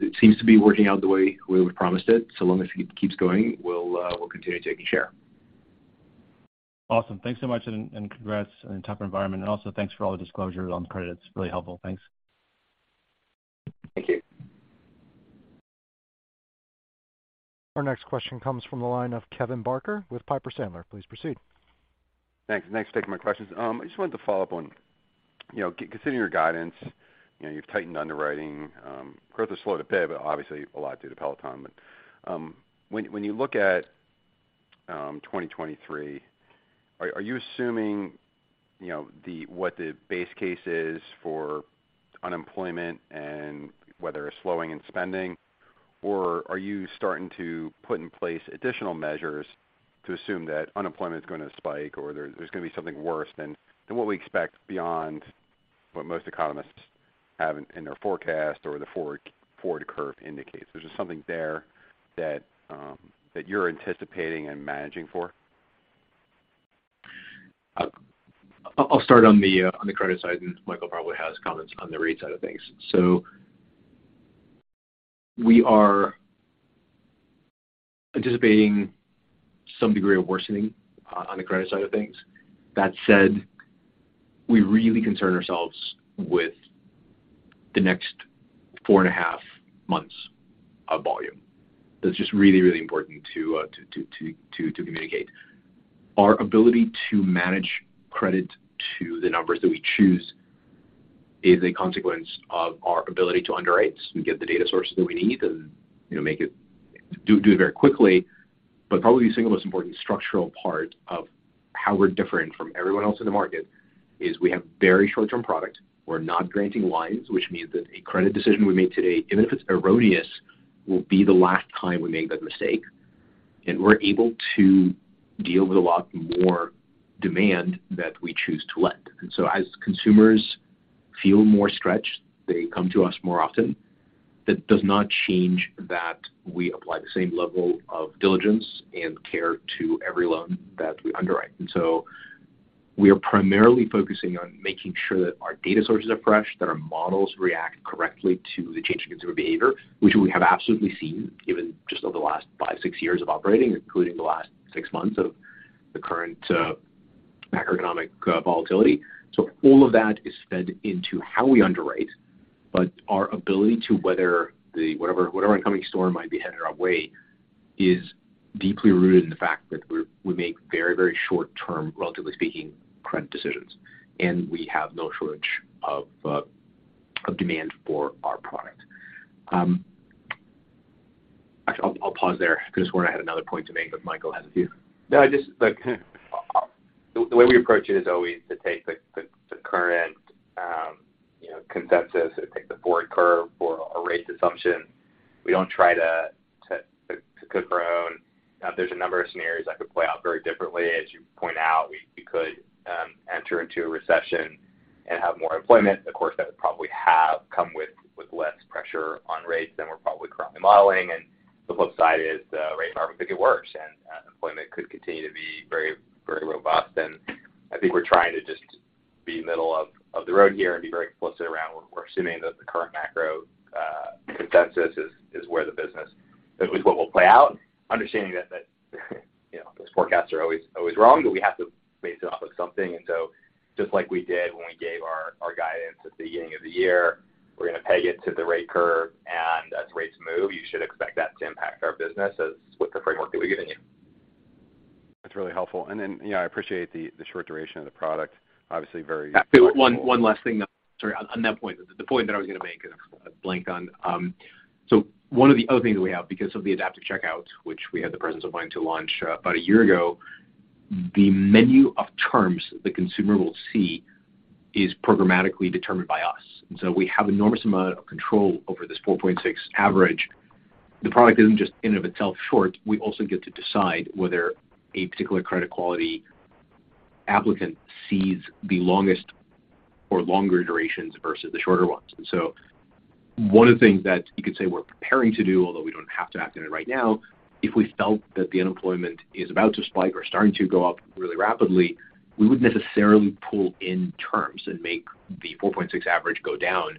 Speaker 3: It seems to be working out the way we would've promised it. Long as it keeps going, we'll continue taking share.
Speaker 11: Awesome. Thanks so much and congrats in a tougher environment. Also thanks for all the disclosures on credit. It's really helpful. Thanks.
Speaker 3: Thank you.
Speaker 1: Our next question comes from the line of Kevin Barker with Piper Sandler. Please proceed.
Speaker 12: Thanks. Thanks for taking my questions. I just wanted to follow up on, considering your guidance, you've tightened underwriting. Growth has slowed a bit, but obviously a lot due to Peloton. When you look at 2023, are you assuming what the base case is for unemployment and whether it's slowing in spending, or are you starting to put in place additional measures to assume that unemployment's going to spike or there's going to be something worse than what we expect beyond what most economists have in their forecast or the forward curve indicates? There's just something there that you're anticipating and managing for.
Speaker 3: I'll start on the credit side, and Michael probably has comments on the rate side of things. We are anticipating some degree of worsening on the credit side of things. That said, we really concern ourselves with the next four and a half months of volume. That's just really important to communicate. Our ability to manage credit to the numbers that we choose is a consequence of our ability to underwrite, so we get the data sources that we need and do it very quickly. Probably the single most important structural part of how we're different from everyone else in the market is we have very short-term product. We're not granting lines, which means that a credit decision we make today, even if it's erroneous, will be the last time we make that mistake. We're able to deal with a lot more demand that we choose to lend. As consumers feel more stretched, they come to us more often. That does not change that we apply the same level of diligence and care to every loan that we underwrite. We are primarily focusing on making sure that our data sources are fresh, that our models react correctly to the change in consumer behavior, which we have absolutely seen given just over the last five, six years of operating, including the last six months of the current macroeconomic volatility. All of that is fed into how we underwrite, but our ability to weather whatever incoming storm might be headed our way is deeply rooted in the fact that we make very short-term, relatively speaking, credit decisions, and we have no shortage of demand for our product. Actually, I'll pause there because I swore I had another point to make, but Michael has a few.
Speaker 5: No, just the way we approach it is always to take the current consensus or take the forward curve or a rate assumption. We don't try to prognose. There's a number of scenarios that could play out very differently. As you point out, we could enter into a recession and have more employment. Of course, that would probably have come with less pressure on rates than we're probably currently modeling, and the flip side is the rate environment could get worse, and employment could continue to be very robust. I think we're trying to just be middle of the road here and be very explicit around what we're assuming that the current macro consensus is what will play out. Understanding that those forecasts are always wrong, but we have to base it off of something. just like we did when we gave our guidance at the beginning of the year, we're going to peg it to the rate curve. As rates move, you should expect that to impact our business. That's the framework that we're giving you.
Speaker 12: That's really helpful. I appreciate the short duration of the product. Obviously
Speaker 3: One last thing. Sorry, on that point, the point that I was going to make, I blanked on. One of the other things that we have because of the Adaptive Checkout, which we had the presence of mind to launch about a year ago. The menu of terms the consumer will see is programmatically determined by us. We have an enormous amount of control over this 4.6 average. The product isn't just in and of itself short. We also get to decide whether a particular credit quality applicant sees the longest or longer durations versus the shorter ones. One of the things that you could say we're preparing to do, although we don't have to act on it right now, if we felt that the unemployment is about to spike or starting to go up really rapidly, we would necessarily pull in terms and make the 4.6 average go down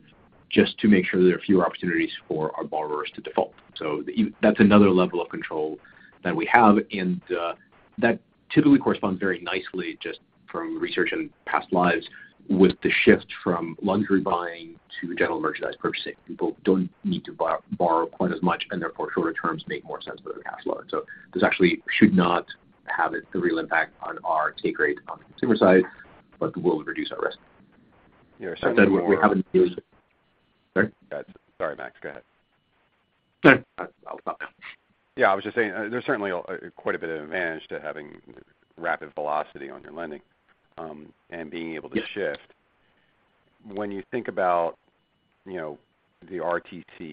Speaker 3: just to make sure there are fewer opportunities for our borrowers to default. That's another level of control that we have, and that typically corresponds very nicely just from research in past lives with the shift from luxury buying to general merchandise purchasing. People don't need to borrow quite as much, and therefore shorter terms make more sense for their cash flow. This actually should not have a real impact on our take rate on the consumer side, but will reduce our risk.
Speaker 12: You know.
Speaker 3: We haven't really, Sorry?
Speaker 12: Sorry, Max. Go ahead.
Speaker 3: Go ahead.
Speaker 12: Yeah, I was just saying there's certainly quite a bit of advantage to having rapid velocity on your lending and being able to shift.
Speaker 3: Yes.
Speaker 12: When you think about the RLTC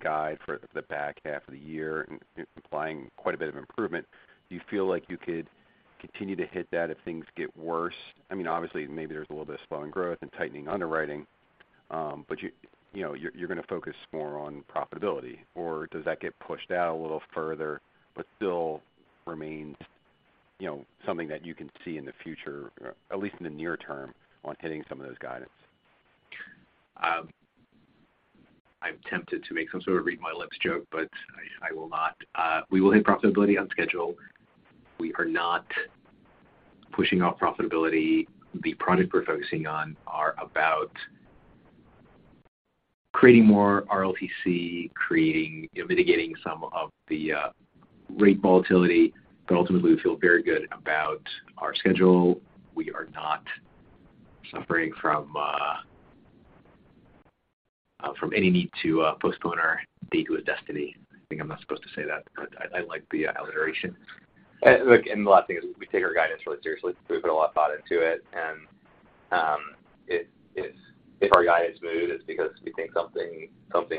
Speaker 12: guide for the back half of the year implying quite a bit of improvement, do you feel like you could continue to hit that if things get worse? I mean, obviously maybe there's a little bit of slowing growth and tightening underwriting, but you're going to focus more on profitability. Does that get pushed out a little further but still remains something that you can see in the future, at least in the near term on hitting some of those guidance?
Speaker 3: I'm tempted to make some sort of read my lips joke, but I will not. We will hit profitability on schedule. We are not pushing out profitability. The product we're focusing on are about creating more RLTC, mitigating some of the rate volatility, but ultimately we feel very good about our schedule. We are not suffering from any need to postpone our date with destiny. I think I'm not supposed to say that, but I like the alliteration.
Speaker 5: The last thing is we take our guidance really seriously. We put a lot of thought into it, and if our guidance moves, it's because we think something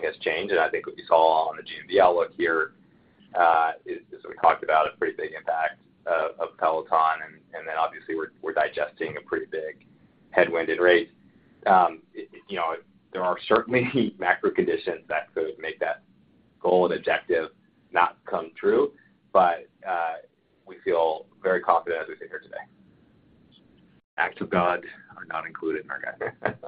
Speaker 5: has changed. I think what you saw on the GMV outlook here is we talked about a pretty big impact of Peloton, and then obviously we're digesting a pretty big headwind in rates. There are certainly macro conditions that could make that goal and objective not come true, but we feel very confident as we sit here today.
Speaker 3: Acts of God are not included in our guidance.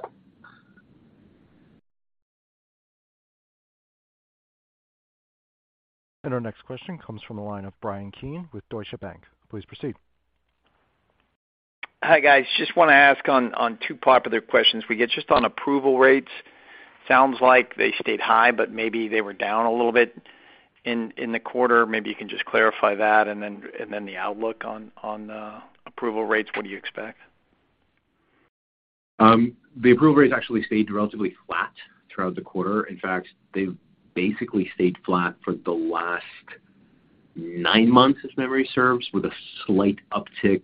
Speaker 1: Our next question comes from the line of Bryan Keane with Deutsche Bank. Please proceed.
Speaker 13: Hi, guys. Just want to ask on two popular questions we get. Just on approval rates, sounds like they stayed high, but maybe they were down a little bit in the quarter. Maybe you can just clarify that and then the outlook on approval rates. What do you expect?
Speaker 3: The approval rates actually stayed relatively flat throughout the quarter. In fact, they've basically stayed flat for the last nine months, as memory serves, with a slight uptick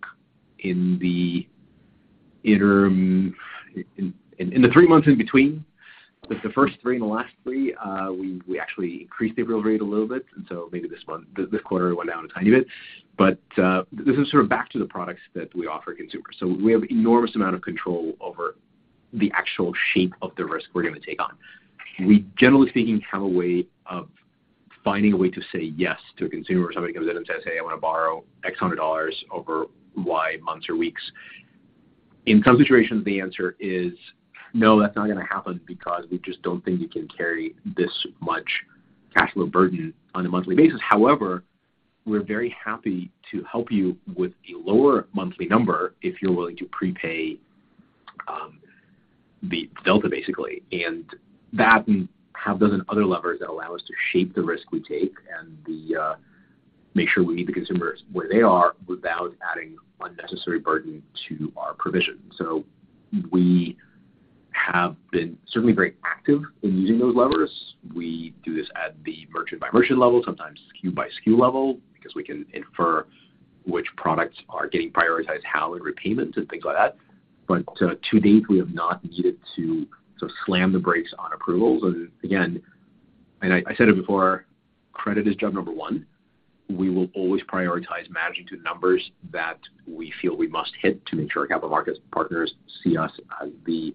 Speaker 3: in the interim. In the three months in between, the first three and the last three we actually increased the approval rate a little bit. Maybe this quarter went down a tiny bit. This is sort of back to the products that we offer consumers. We have enormous amount of control over the actual shape of the risk we're going to take on. We, generally speaking, have a way of finding a way to say yes to a consumer. Somebody comes in and says, "Hey, I want to borrow X hundred dollars over Y months or weeks." In some situations, the answer is no, that's not going to happen because we just don't think you can carry this much cash flow burden on a monthly basis. We're very happy to help you with a lower monthly number if you're willing to prepay the delta, basically. That, and have a dozen other levers that allow us to shape the risk we take and make sure we meet the consumers where they are without adding unnecessary burden to our provision. We have been certainly very active in using those levers. We do this at the merchant-by-merchant level, sometimes SKU-by-SKU level, because we can infer which products are getting prioritized how in repayments and things like that. To date, we have not needed to sort of slam the brakes on approvals. Again, I said it before, credit is job number one. We will always prioritize managing to numbers that we feel we must hit to make sure capital markets partners see us as the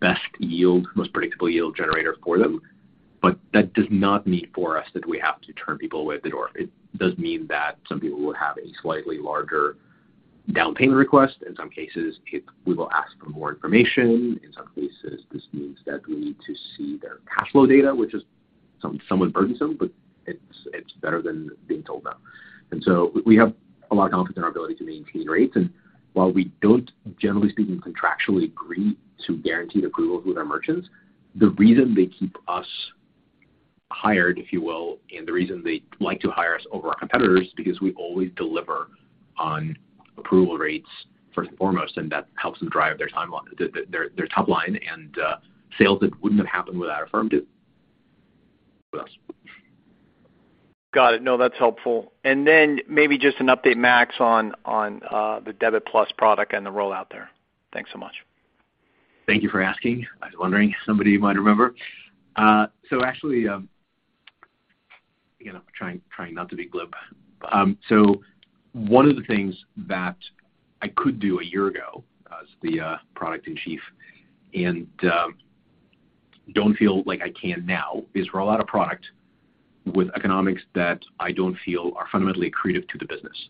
Speaker 3: best yield, most predictable yield generator for them. That does not mean for us that we have to turn people away at the door. It does mean that some people will have a slightly larger down payment request. In some cases, we will ask for more information. In some cases, this means that we need to see their cash flow data, which is somewhat burdensome, but it's better than being told no. We have a lot of confidence in our ability to maintain rates. While we don't, generally speaking, contractually agree to guaranteed approvals with our merchants, the reason they keep us hired, if you will, and the reason they like to hire us over our competitors, because we always deliver on approval rates first and foremost, and that helps them drive their top line and sales that wouldn't have happened without Affirm do. What else?
Speaker 13: Got it. That's helpful. Then maybe just an update, Max, on the Debit+ product and the rollout there. Thanks so much.
Speaker 3: Thank you for asking. I was wondering if somebody might remember. Actually, again, I'm trying not to be glib. One of the things that I could do a year ago as the product chief and don't feel like I can now is roll out a product with economics that I don't feel are fundamentally accretive to the business.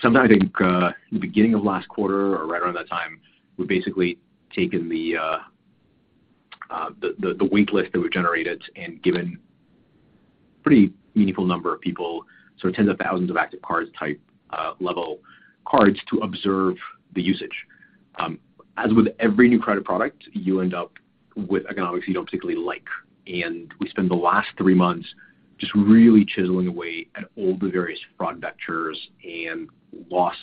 Speaker 3: Sometime, I think, in the beginning of last quarter or right around that time, we've basically taken the wait list that we've generated and given pretty meaningful number of people, so tens of thousands of active cards type level cards to observe the usage. As with every new credit product, you end up with economics you don't particularly like. We spent the last three months just really chiseling away at all the various fraud vectors and loss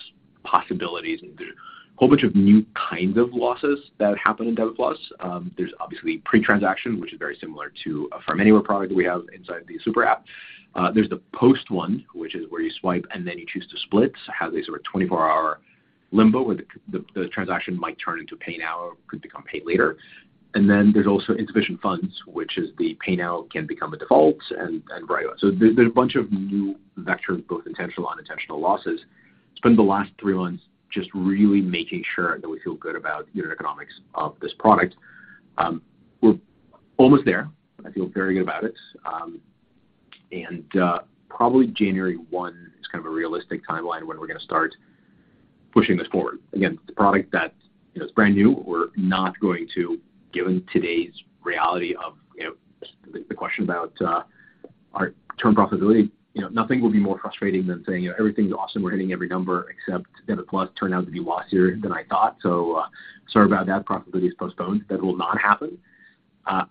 Speaker 3: possibilities, there's a whole bunch of new kinds of losses that happen in Debit+. There's obviously pre-transaction, which is very similar to Affirm Anywhere product that we have inside the super app. There's the post one, which is where you swipe and then you choose to split, have these sort of 24-hour limbo where the transaction might turn into pay now or could become pay later. Then there's also insufficient funds, which is the pay now can become a default and write off. There's a bunch of new vectors, both intentional, unintentional losses. We spent the last three months just really making sure that we feel good about unit economics of this product. We're almost there. I feel very good about it. Probably January 1 is kind of a realistic timeline when we're going to start pushing this forward. Again, it's a product that is brand new. We're not going to, given today's reality of the question about our term profitability. Nothing will be more frustrating than saying, "Everything's awesome. We're hitting every number except Debit+ turned out to be lossier than I thought. Sorry about that. Profitability is postponed." That will not happen.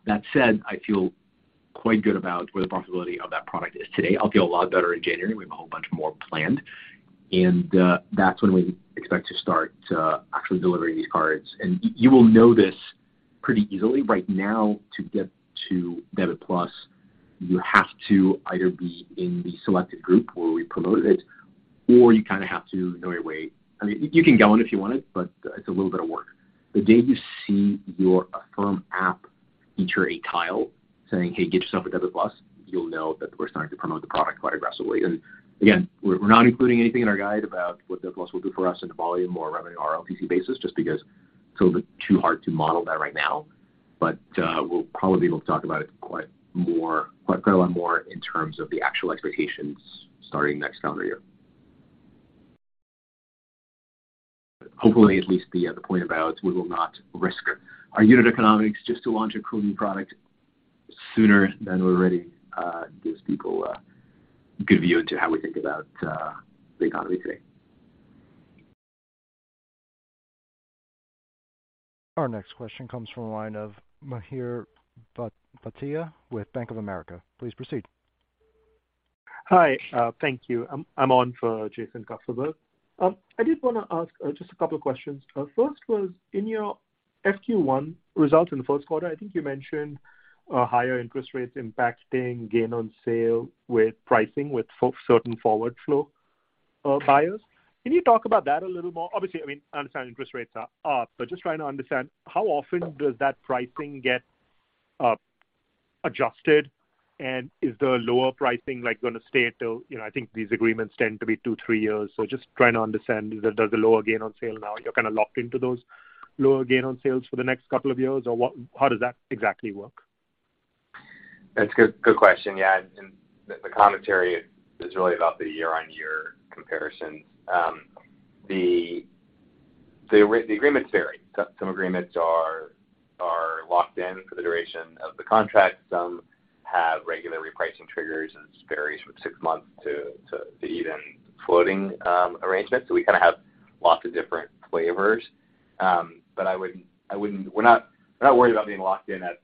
Speaker 3: That said, I feel quite good about where the profitability of that product is today. I'll feel a lot better in January. We have a whole bunch more planned, that's when we expect to start actually delivering these cards. You will know this pretty easily. Right now, to get to Debit+, you have to either be in the selected group where we promoted it, or you kind of have to know your way. I mean, you can go in if you want it, but it's a little bit of work. The day you see your Affirm app feature a tile saying, "Hey, get yourself a Debit+," you'll know that we're starting to promote the product quite aggressively. Again, we're not including anything in our guide about what Debit+ will do for us in the volume or revenue or RLTC basis, just because it's a little bit too hard to model that right now. We'll probably be able to talk about it quite a lot more in terms of the actual expectations starting next calendar year. Hopefully, at least the point about we will not risk our unit economics just to launch a cool new product sooner than we're ready gives people a good view into how we think about the economy today.
Speaker 1: Our next question comes from the line of Mihir Bhatia with Bank of America. Please proceed.
Speaker 14: Hi. Thank you. I'm on for Jason Kupferberg. I did want to ask just a couple of questions. First was, in your FY 2023 results in the first quarter, I think you mentioned higher interest rates impacting gain on sale with pricing with certain forward flow buyers. Can you talk about that a little more? Obviously, I mean, I understand interest rates are up, just trying to understand how often does that pricing get adjusted, and is the lower pricing going to stay until— I think these agreements tend to be two, three years. Just trying to understand, does the lower gain on sale now, you're kind of locked into those lower gain on sales for the next couple of years, or how does that exactly work?
Speaker 5: That's a good question. Yeah, the commentary is really about the year-on-year comparisons. The agreements vary. Some agreements are locked in for the duration of the contract. Some have regular repricing triggers, and this varies from six months to even floating arrangements. We kind of have lots of different flavors. We're not worried about being locked in at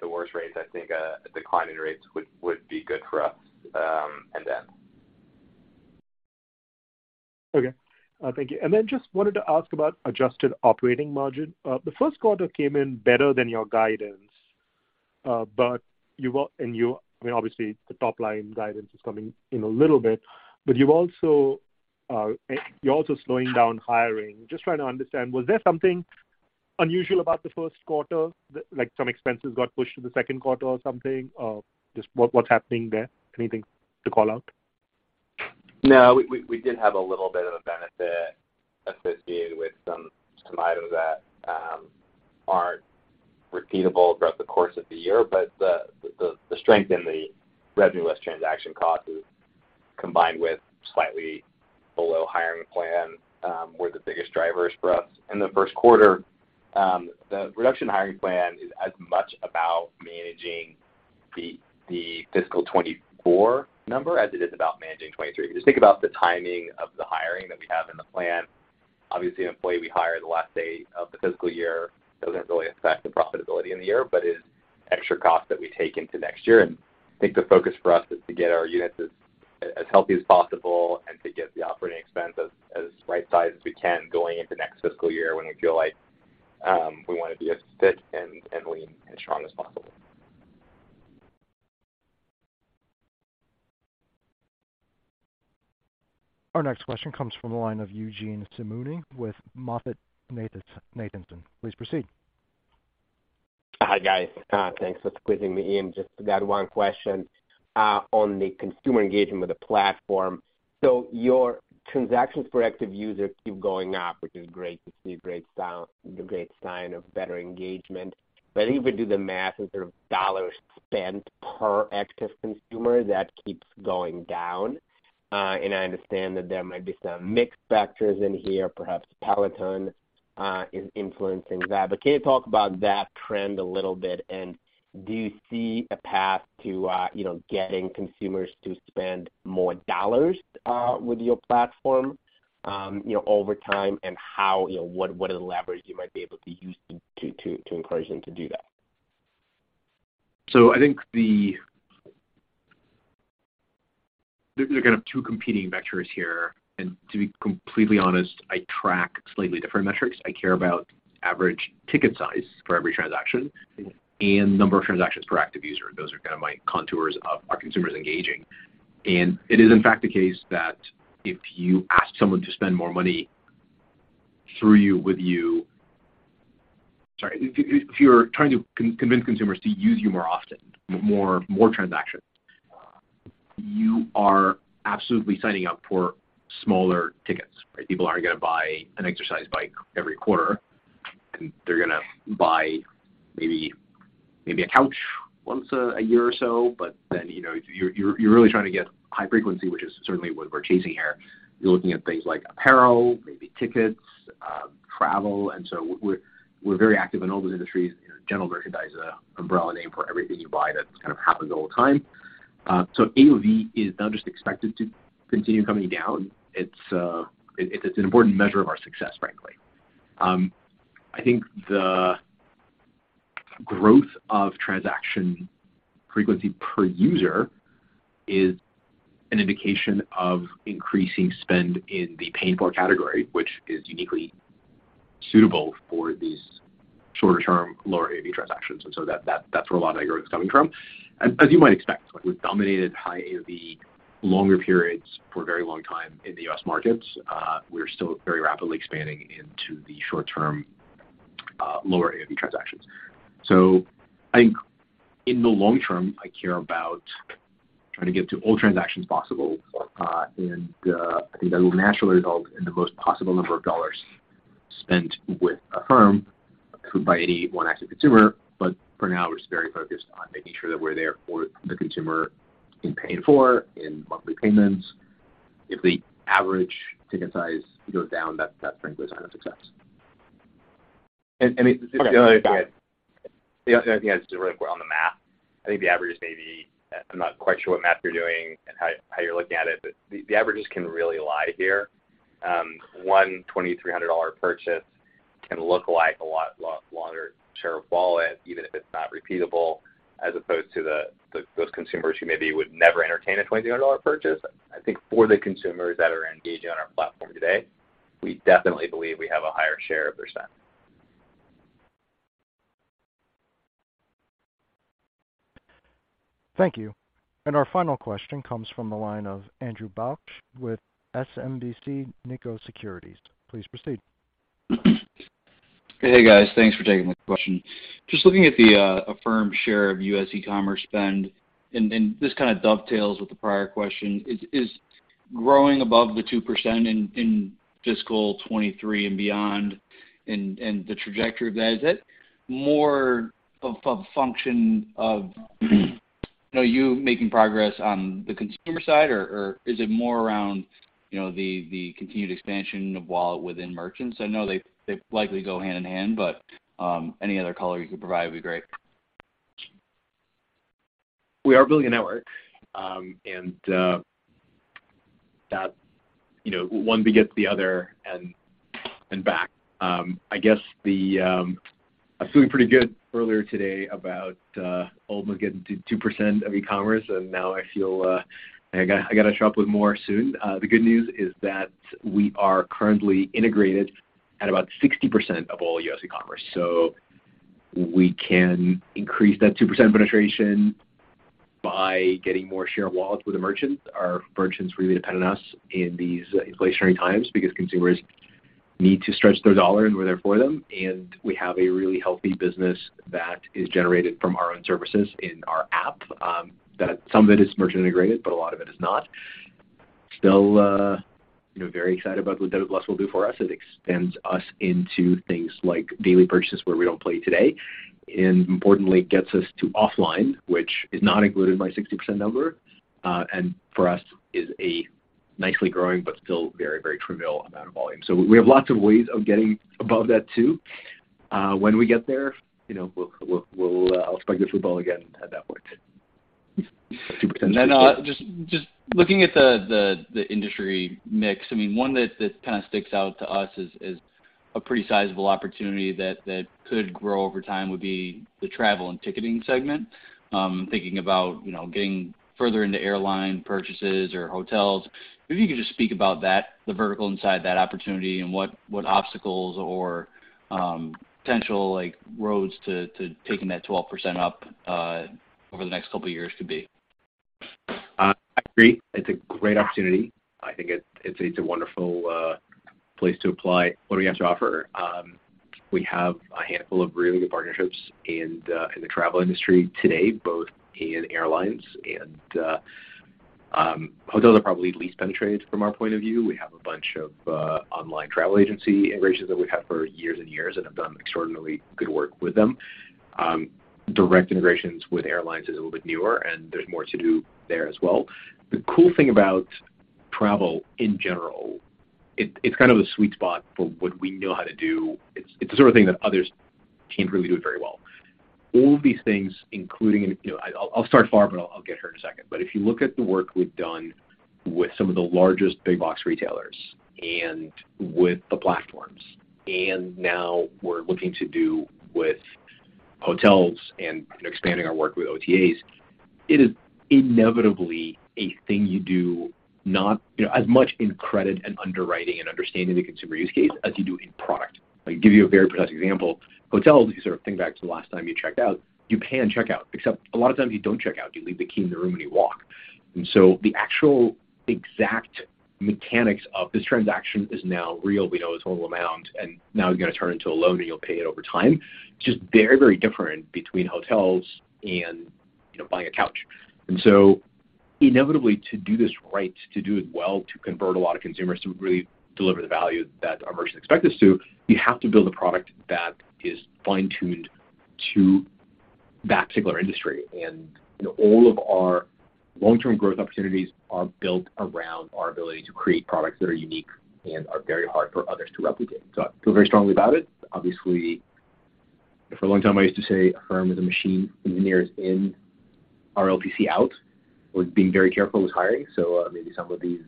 Speaker 5: the worst rates. I think a decline in rates would be good for us and them.
Speaker 14: Okay. Thank you. Just wanted to ask about adjusted operating margin. The first quarter came in better than your guidance. I mean, obviously, the top-line guidance is coming in a little bit, but you're also slowing down hiring. Just trying to understand, was there something unusual about the first quarter, like some expenses got pushed to the second quarter or something? Just what's happening there? Anything to call out?
Speaker 5: No, we did have a little bit of a benefit associated with some items that aren't repeatable throughout the course of the year. The strength in the Revenue Less Transaction Costs is combined with slightly below hiring plan were the biggest drivers for us in Q1. The reduction in hiring plan is as much about managing the Fiscal Year 2024 number as it is about managing 2023. If you just think about the timing of the hiring that we have in the plan, obviously, an employee we hire the last day of the fiscal year doesn't really affect the profitability in the year, but is extra cost that we take into next year. I think the focus for us is to get our units as healthy as possible and to get the operating expense as right-sized as we can going into next fiscal year when we feel like we want to be as fit and lean, and strong as possible.
Speaker 1: Our next question comes from the line of Eugene Simuni with MoffettNathanson. Please proceed.
Speaker 15: Hi, guys. Thanks for squeezing me in. Just got one question on the consumer engagement with the platform. Your transactions per active user keep going up, which is great to see, a great sign of better engagement. If you would do the math in sort of $ spent per active consumer, that keeps going down. I understand that there might be some mixed factors in here, perhaps Peloton is influencing that, can you talk about that trend a little bit? Do you see a path to getting consumers to spend more $ with your platform over time? What are the levers you might be able to use to encourage them to do that?
Speaker 3: I think there are kind of 2 competing vectors here. To be completely honest, I track slightly different metrics. I care about average ticket size for every transaction and number of transactions per active user. Those are kind of my contours of are consumers engaging. It is, in fact, the case that if you ask someone to spend more money through you, with you. Sorry. If you're trying to convince consumers to use you more often, more transactions, you are absolutely signing up for smaller tickets, right? People aren't going to buy an exercise bike every quarter. They're going to buy maybe a couch once a year or so. You're really trying to get high frequency, which is certainly what we're chasing here. You're looking at things like apparel, maybe tickets, travel. We're very active in all those industries. General merchandise, umbrella name for everything you buy that kind of happens all the time. AOV is not just expected to continue coming down. It's an important measure of our success, frankly. I think the growth of transaction frequency per user is an indication of increasing spend in the pay-for category, which is uniquely suitable for these shorter-term, lower AOV transactions. That's where a lot of our growth is coming from. As you might expect, we've dominated high AOV longer periods for a very long time in the U.S. markets. We're still very rapidly expanding into the short-term, lower AOV transactions. I think in the long term, I care about trying to get to all transactions possible. I think that will naturally result in the most possible number of dollars spent with Affirm by any 1 active consumer. For now, we're just very focused on making sure that we're there for the consumer in Pay in 4, in monthly payments. If the average ticket size goes down, that frankly is not a success.
Speaker 5: The other thing that's really important on the math, I think the average is maybe I'm not quite sure what math you're doing and how you're looking at it, the averages can really lie here. 1 $2,300 purchase can look like a lot larger share of wallet, even if it's not repeatable, as opposed to those consumers who maybe would never entertain a $2,300 purchase. I think for the consumers that are engaging on our platform today, we definitely believe we have a higher share of their spend.
Speaker 1: Thank you. Our final question comes from the line of Andrew Bauch with SMBC Nikko Securities. Please proceed.
Speaker 16: Hey, guys. Thanks for taking my question. Just looking at the Affirm share of U.S. e-commerce spend. This kind of dovetails with the prior question. Is growing above the 2% in fiscal 2023 and beyond, and the trajectory of that, is that more of a function of you making progress on the consumer side, or is it more around the continued expansion of wallet within merchants? I know they likely go hand in hand. Any other color you could provide would be great.
Speaker 3: We are building a network, and one begets the other and back. I guess I was feeling pretty good earlier today about almost getting to 2% of e-commerce, and now I feel I got to sharpen more soon. The good news is that we are currently integrated at about 60% of all U.S. e-commerce. We can increase that 2% penetration by getting more share of wallets with the merchants. Our merchants really depend on us in these inflationary times because consumers need to stretch their dollar, and we're there for them. We have a really healthy business that is generated from our own services in our app, that some of it is merchant integrated, but a lot of it is not. Still very excited about what debit plus will do for us. It extends us into things like daily purchases, where we don't play today, and importantly, gets us to offline, which is not included in my 60% number, and for us, is a nicely growing but still very, very trivial amount of volume. We have lots of ways of getting above that, too. When we get there, I'll spike the football again and have that point. 2%.
Speaker 16: No. Just looking at the industry mix, one that kind of sticks out to us as a pretty sizable opportunity that could grow over time would be the travel and ticketing segment. I'm thinking about getting further into airline purchases or hotels. Maybe you could just speak about that, the vertical inside that opportunity, and what obstacles or potential roads to taking that 12% up over the next couple of years could be.
Speaker 3: I agree. It's a great opportunity. I think it's a wonderful place to apply what we have to offer. We have a handful of really good partnerships in the travel industry today, both in airlines and hotels are probably the least penetrated from our point of view. We have a bunch of online travel agency integrations that we've had for years and years and have done extraordinarily good work with them. Direct integrations with airlines is a little bit newer, and there's more to do there as well. The cool thing about travel, in general, it's kind of a sweet spot for what we know how to do. It's the sort of thing that others can't really do it very well. I'll start far, but I'll get here in a second. If you look at the work we've done with some of the largest big box retailers and with the platforms, and now we're looking to do with hotels and expanding our work with OTAs, it is inevitably a thing you do not as much in credit and underwriting and understanding the consumer use case as you do in product. I'll give you a very precise example. Hotels, you sort of think back to the last time you checked out, you pay on checkout, except a lot of times you don't check out. You leave the key in the room, and you walk. The actual exact mechanics of this transaction is now real. We know it's total amount, and now you're going to turn into a loan, and you'll pay it over time. Just very different between hotels and buying a couch. Inevitably, to do this right, to do it well, to convert a lot of consumers, to really deliver the value that our merchants expect us to, you have to build a product that is fine-tuned to that particular industry. All of our long-term growth opportunities are built around our ability to create products that are unique and are very hard for others to replicate. I feel very strongly about it. Obviously, for a long time, I used to say Affirm is a machine, engineers in, our RLTC out. I was being very careful with hiring. Maybe some of these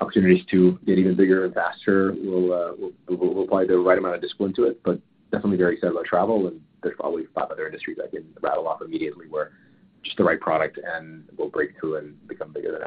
Speaker 3: opportunities to get even bigger and faster, we'll apply the right amount of discipline to it. Definitely very excited about travel, and there's probably five other industries I can rattle off immediately where just the right product and we'll break through and become bigger